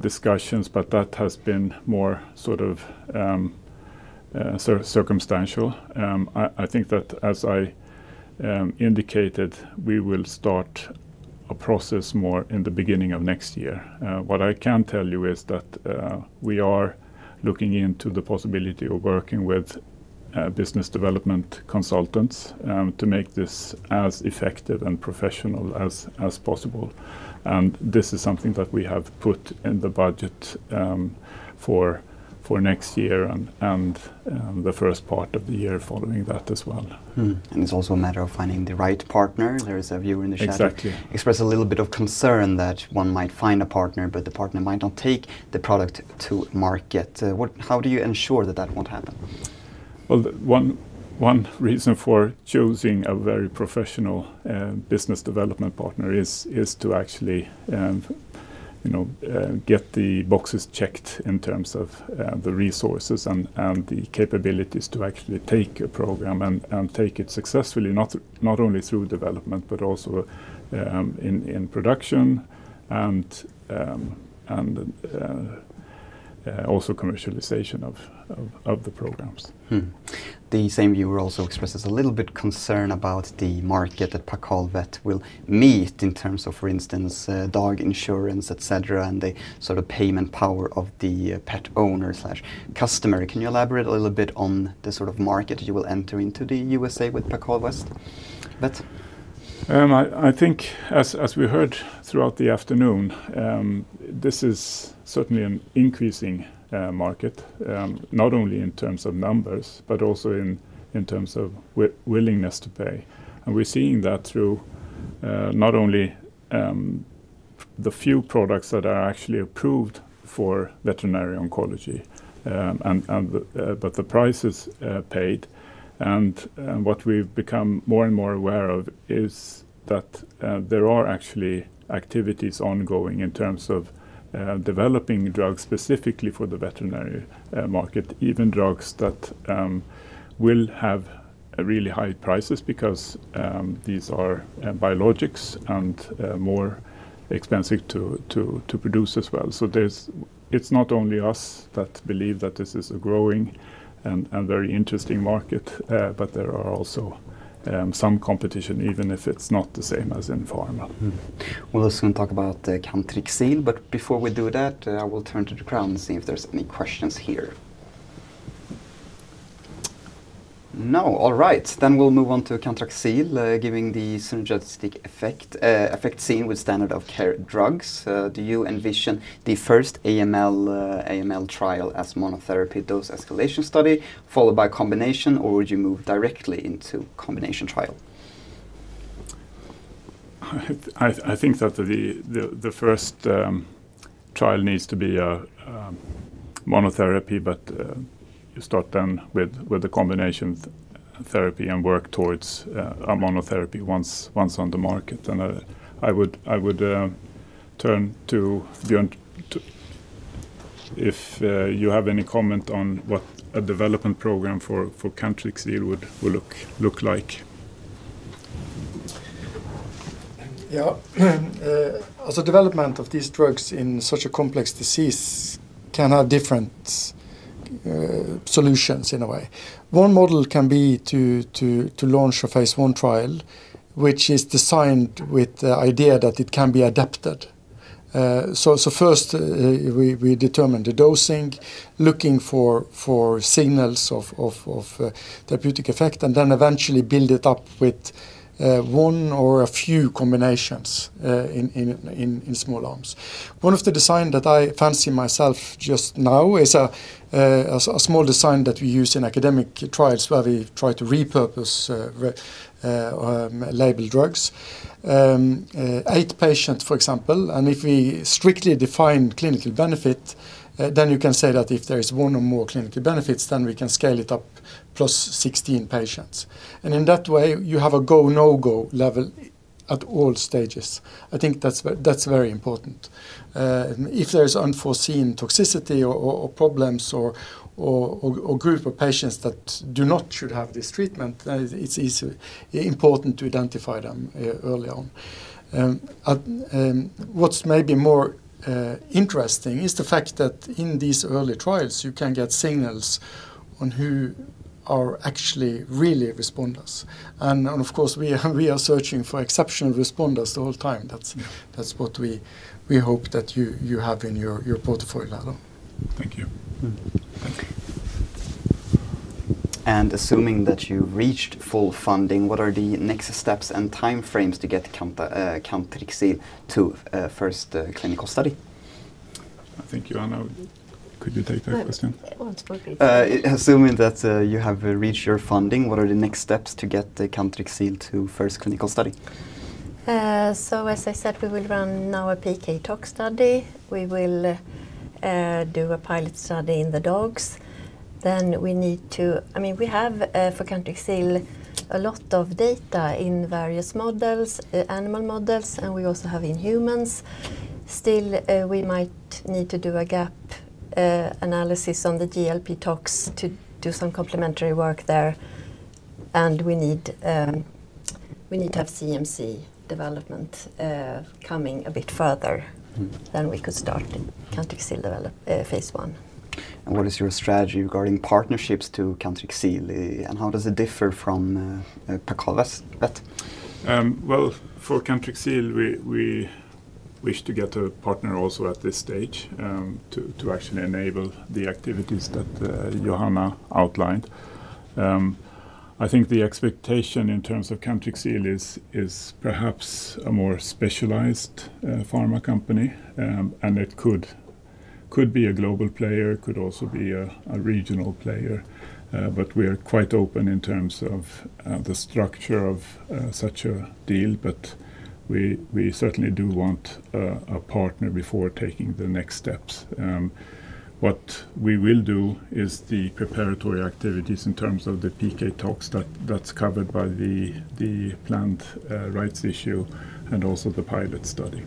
discussions, but that has been more sort of circumstantial. I think that as I indicated, we will start a process more in the beginning of next year. What I can tell you is that we are looking into the possibility of working with business development consultants to make this as effective and professional as possible. This is something that we have put in the budget for next year and the first part of the year following that as well. It is also a matter of finding the right partner. There is a viewer in the chat who expressed a little bit of concern that one might find a partner, but the partner might not take the product to market. How do you ensure that that won't happen? One reason for choosing a very professional business development partner is to actually get the boxes checked in terms of the resources and the capabilities to actually take a program and take it successfully, not only through development, but also in production and also commercialization of the programs. The same viewer also expresses a little bit of concern about the market that Paccal Vet will meet in terms of, for instance, dog insurance, etc., and the sort of payment power of the pet owner/customer. Can you elaborate a little bit on the sort of market you will enter into the U.S. with Paccal Vet? I think, as we heard throughout the afternoon, this is certainly an increasing market, not only in terms of numbers, but also in terms of willingness to pay. We're seeing that through not only the few products that are actually approved for veterinary oncology, but the prices paid. What we've become more and more aware of is that there are actually activities ongoing in terms of developing drugs specifically for the veterinary market, even drugs that will have really high prices because these are biologics and more expensive to produce as well. It is not only us that believe that this is a growing and very interesting market, but there is also some competition, even if it's not the same as in pharma. We're also going to talk about Cantrixil. Before we do that, I will turn to the ground and see if there's any questions here. No. All right. We'll move on to Cantrixil, giving the synergistic effect seen with standard of care drugs. Do you envision the first AML trial as monotherapy dose escalation study followed by combination, or would you move directly into combination trial? I think that the first trial needs to be a monotherapy, but you start then with the combination therapy and work towards a monotherapy once on the market. I would turn to if you have any comment on what a development program for Cantrixil would look like. Yeah. Development of these drugs in such a complex disease can have different solutions in a way. One model can be to launch a phase one trial, which is designed with the idea that it can be adapted. First, we determine the dosing, looking for signals of therapeutic effect, and then eventually build it up with one or a few combinations in small arms. One of the designs that I fancy myself just now is a small design that we use in academic trials where we try to repurpose labeled drugs. 8 patients, for example. If we strictly define clinical benefit, then you can say that if there is one or more clinical benefits, then we can scale it up plus 16 patients. In that way, you have a go/no-go level at all stages. I think that's very important. If there is unforeseen toxicity or problems or a group of patients that do not should have this treatment, it's important to identify them early on. What's maybe more interesting is the fact that in these early trials, you can get signals on who are actually really responders. Of course, we are searching for exceptional responders the whole time. That's what we hope that you have in your portfolio. Thank you. Thank you. Assuming that you reached full funding, what are the next steps and time frames to get Cantrixil to first clinical study? I think Johanna, could you take that question? Assuming that you have reached your funding, what are the next steps to get Cantrixil to first clinical study? As I said, we will run our PK tox study. We will do a pilot study in the dogs. We have for Cantrixil a lot of data in various models, animal models, and we also have in humans. Still, we might need to do a gap analysis on the GLP tox to do some complementary work there. We need to have CMC development coming a bit further before we could start Cantrixil phase one. What is your strategy regarding partnerships to Cantrixil? How does it differ from Paccal Vet? For Cantrixil, we wish to get a partner also at this stage to actually enable the activities that Johanna outlined. I think the expectation in terms of Cantrixil is perhaps a more specialized pharma company, and it could be a global player, could also be a regional player. We are quite open in terms of the structure of such a deal, but we certainly do want a partner before taking the next steps. What we will do is the preparatory activities in terms of the PK talks that's covered by the planned rights issue and also the pilot study.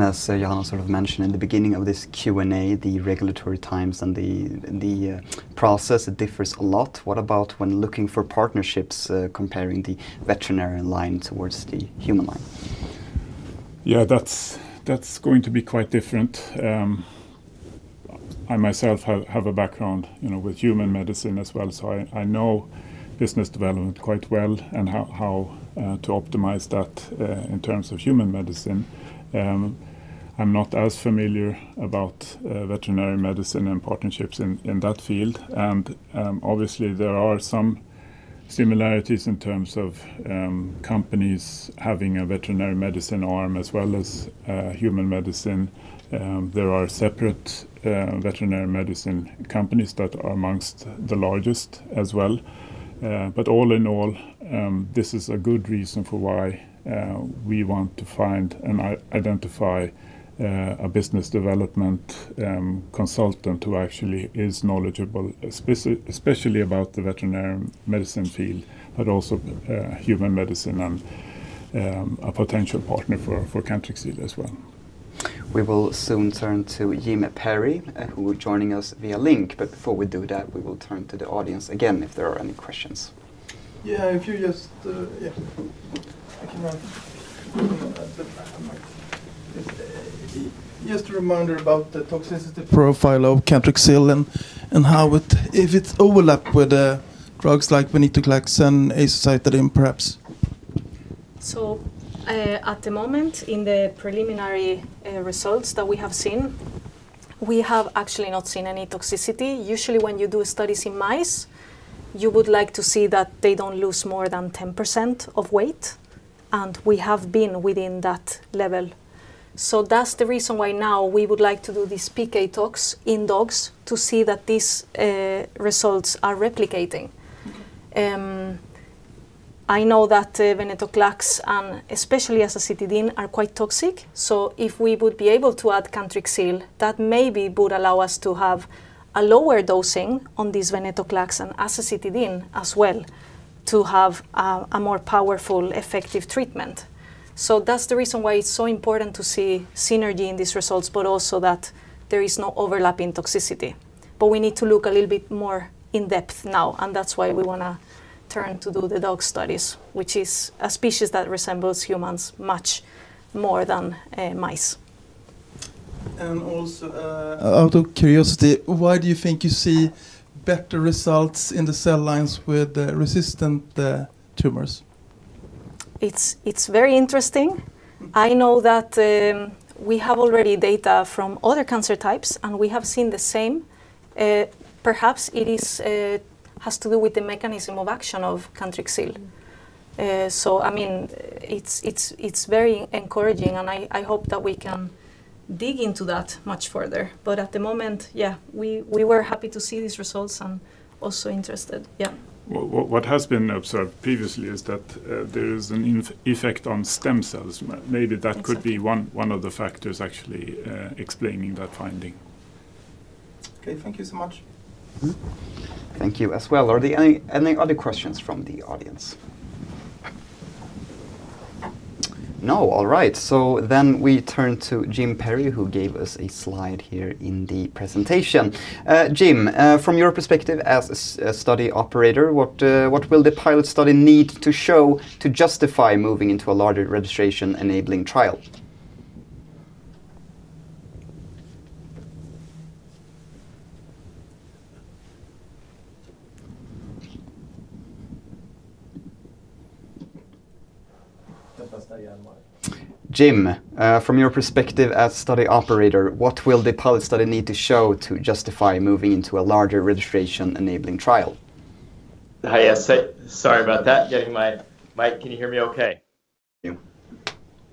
As Johanna sort of mentioned in the beginning of this Q&A, the regulatory times and the process, it differs a lot. What about when looking for partnerships, comparing the veterinarian line towards the human line? Yeah, that's going to be quite different. I myself have a background with human medicine as well, so I know business development quite well and how to optimize that in terms of human medicine. I'm not as familiar about veterinary medicine and partnerships in that field. Obviously, there are some similarities in terms of companies having a veterinary medicine arm as well as human medicine. There are separate veterinary medicine companies that are amongst the largest as well. All in all, this is a good reason for why we want to find and identify a business development consultant who actually is knowledgeable, especially about the veterinary medicine field, but also human medicine and a potential partner for Cantrixil as well. We will soon turn to Jim Perry, who will join us via link. Before we do that, we will turn to the audience again if there are any questions. Yeah, if you just, yeah, I can just a reminder about the toxicity profile of Cantrixil and how it, if it's overlapped with drugs like venetoclax and azacitidine, perhaps. At the moment, in the preliminary results that we have seen, we have actually not seen any toxicity. Usually, when you do studies in mice, you would like to see that they do not lose more than 10% of weight, and we have been within that level. That is the reason why now we would like to do this PK tox in dogs to see that these results are replicating. I know that venetoclax, and especially azacitidine, are quite toxic. If we would be able to add Cantrixil, that maybe would allow us to have a lower dosing on these venetoclax and azacitidine as well to have a more powerful, effective treatment. That is the reason why it is so important to see synergy in these results, but also that there is no overlapping toxicity. We need to look a little bit more in depth now, and that is why we want to turn to do the dog studies, which is a species that resembles humans much more than mice. Also, out of curiosity, why do you think you see better results in the cell lines with resistant tumors? It is very interesting. I know that we have already data from other cancer types, and we have seen the same. Perhaps it has to do with the mechanism of action of Cantrixil. I mean, it is very encouraging, and I hope that we can dig into that much further. At the moment, we were happy to see these results and also interested. What has been observed previously is that there is an effect on stem cells. Maybe that could be one of the factors actually explaining that finding. Okay. Thank you so much. Thank you as well. Are there any other questions from the audience? No. All right. We turn to Jim Perry, who gave us a slide here in the presentation. Jim, from your perspective as a study operator, what will the pilot study need to show to justify moving into a larger registration enabling trial? Jim, from your perspective as study operator, what will the pilot study need to show to justify moving into a larger registration enabling trial? Hi. Sorry about that. Getting my mic. Can you hear me okay?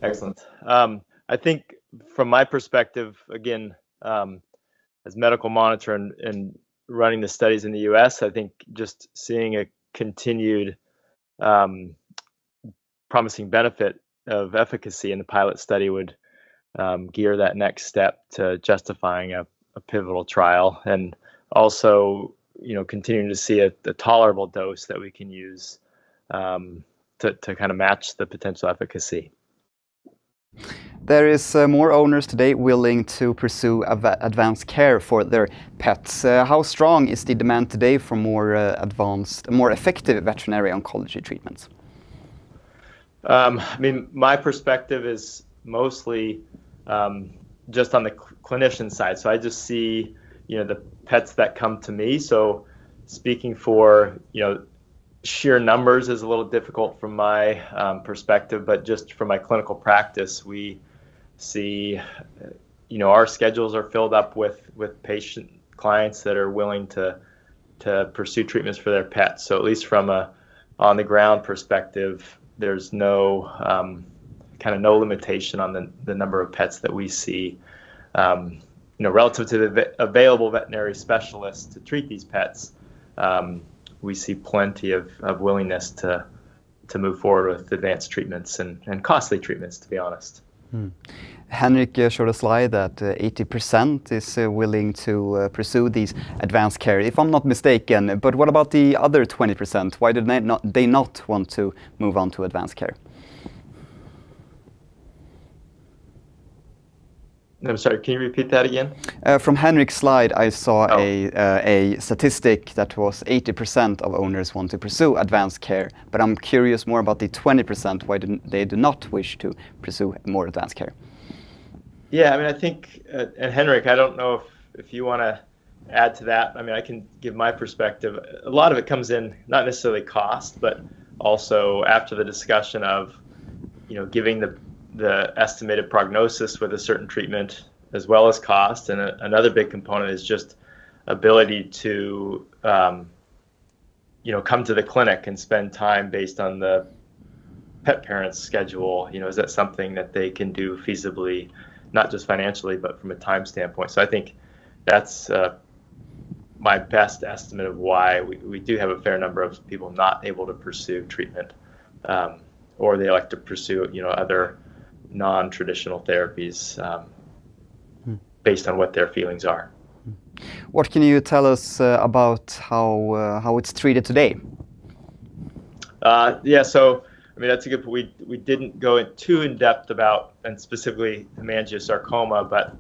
Excellent. I think from my perspective, again, as medical monitor and running the studies in the U.S., I think just seeing a continued promising benefit of efficacy in the pilot study would gear that next step to justifying a pivotal trial and also continuing to see a tolerable dose that we can use to kind of match the potential efficacy. There are more owners today willing to pursue advanced care for their pets. How strong is the demand today for more effective veterinary oncology treatments? I mean, my perspective is mostly just on the clinician side. I just see the pets that come to me. Speaking for sheer numbers is a little difficult from my perspective, but just from my clinical practice, we see our schedules are filled up with patient clients that are willing to pursue treatments for their pets. At least from an on-the-ground perspective, there's kind of no limitation on the number of pets that we see. Relative to the available veterinary specialists to treat these pets, we see plenty of willingness to move forward with advanced treatments and costly treatments, to be honest. Henrik showed a slide that 80% is willing to pursue these advanced care, if I'm not mistaken. What about the other 20%? Why do they not want to move on to advanced care? I'm sorry. Can you repeat that again? From Henrik's slide, I saw a statistic that was 80% of owners want to pursue advanced care. I'm curious more about the 20%, why they do not wish to pursue more advanced care. Yeah. I mean, I think, and Henrik, I don't know if you want to add to that. I mean, I can give my perspective. A lot of it comes in not necessarily cost, but also after the discussion of giving the estimated prognosis with a certain treatment as well as cost. Another big component is just ability to come to the clinic and spend time based on the pet parent's schedule. Is that something that they can do feasibly, not just financially, but from a time standpoint? I think that's my best estimate of why we do have a fair number of people not able to pursue treatment, or they like to pursue other non-traditional therapies based on what their feelings are. What can you tell us about how it's treated today? Yeah. I mean, that's a good point. We didn't go too in depth about, and specifically hemangiosarcoma, but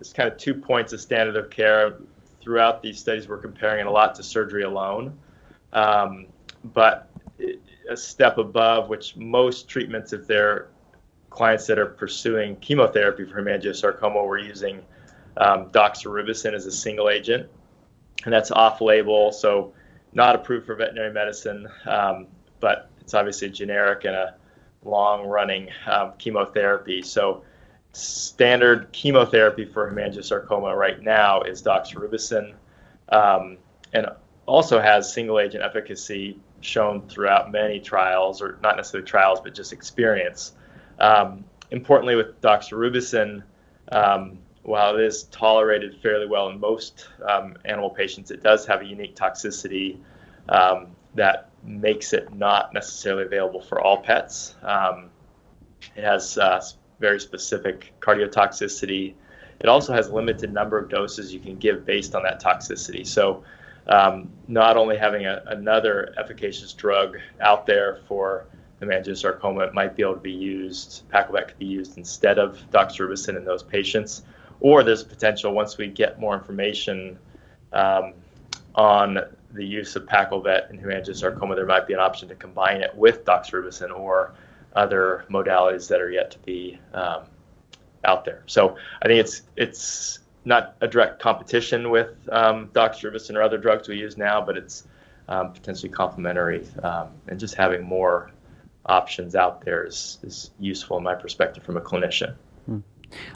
it's kind of 2 points of standard of care throughout these studies. We're comparing it a lot to surgery alone, but a step above, which most treatments of their clients that are pursuing chemotherapy for hemangiosarcoma were using doxorubicin as a single agent. That's off-label, so not approved for veterinary medicine, but it's obviously generic and a long-running chemotherapy. Standard chemotherapy for hemangiosarcoma right now is doxorubicin and also has single-agent efficacy shown throughout many trials, or not necessarily trials, but just experience. Importantly, with doxorubicin, while it is tolerated fairly well in most animal patients, it does have a unique toxicity that makes it not necessarily available for all pets. It has very specific cardiotoxicity. It also has a limited number of doses you can give based on that toxicity. Not only having another efficacious drug out there for hemangiosarcoma, it might be able to be used, Paccal Vet could be used instead of doxorubicin in those patients. There is potential, once we get more information on the use of Paccal Vet in hemangiosarcoma, there might be an option to combine it with doxorubicin or other modalities that are yet to be out there. I think it's not a direct competition with doxorubicin or other drugs we use now, but it's potentially complementary. Just having more options out there is useful in my perspective from a clinician.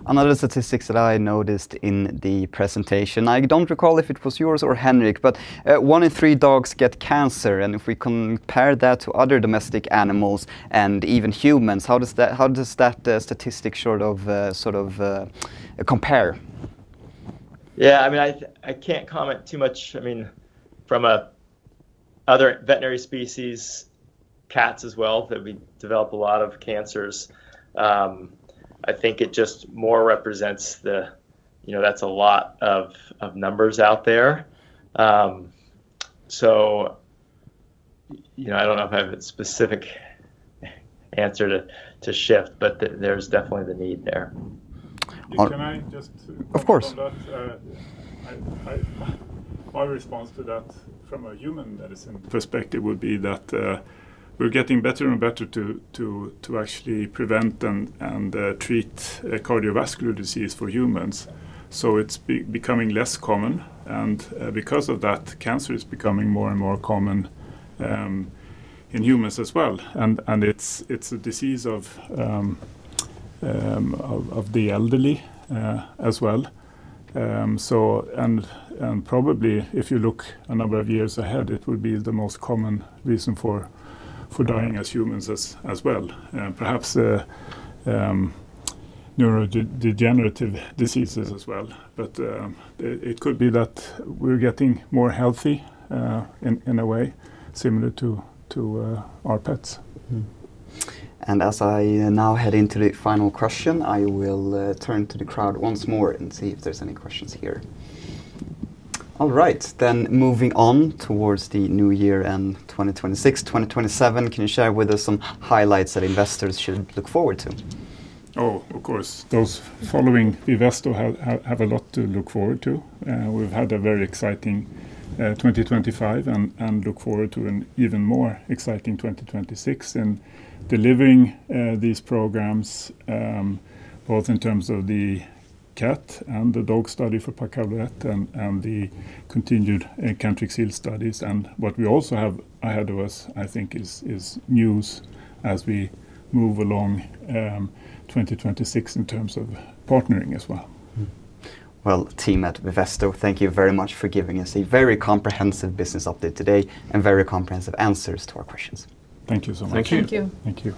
Another statistic that I noticed in the presentation, I don't recall if it was yours or Henrik, but one in 3 dogs get cancer. If we compare that to other domestic animals and even humans, how does that statistic sort of compare? Yeah. I mean, I can't comment too much. I mean, from other veterinary species, cats as well, that we develop a lot of cancers. I think it just more represents the, that's a lot of numbers out there. I don't know if I have a specific answer to shift, but there's definitely the need there. Can I just? Of course. My response to that from a human medicine perspective would be that we're getting better and better to actually prevent and treat cardiovascular disease for humans. It's becoming less common. Because of that, cancer is becoming more and more common in humans as well. It's a disease of the elderly as well. Probably, if you look a number of years ahead, it would be the most common reason for dying as humans as well. Perhaps neurodegenerative diseases as well. It could be that we're getting more healthy in a way, similar to our pets. As I now head into the final question, I will turn to the crowd once more and see if there's any questions here. All right. Moving on towards the new year and 2026, 2027, can you share with us some highlights that investors should look forward to? Oh, of course. Those following Vivesto have a lot to look forward to. We've had a very exciting 2025 and look forward to an even more exciting 2026 in delivering these programs, both in terms of the cat and the dog study for Paccal Vet and the continued Cantrixil studies. What we also have ahead of us, I think, is news as we move along 2026 in terms of partnering as well. Team at Vivesto, thank you very much for giving us a very comprehensive business update today and very comprehensive answers to our questions. Thank you so much. Thank you. Thank you.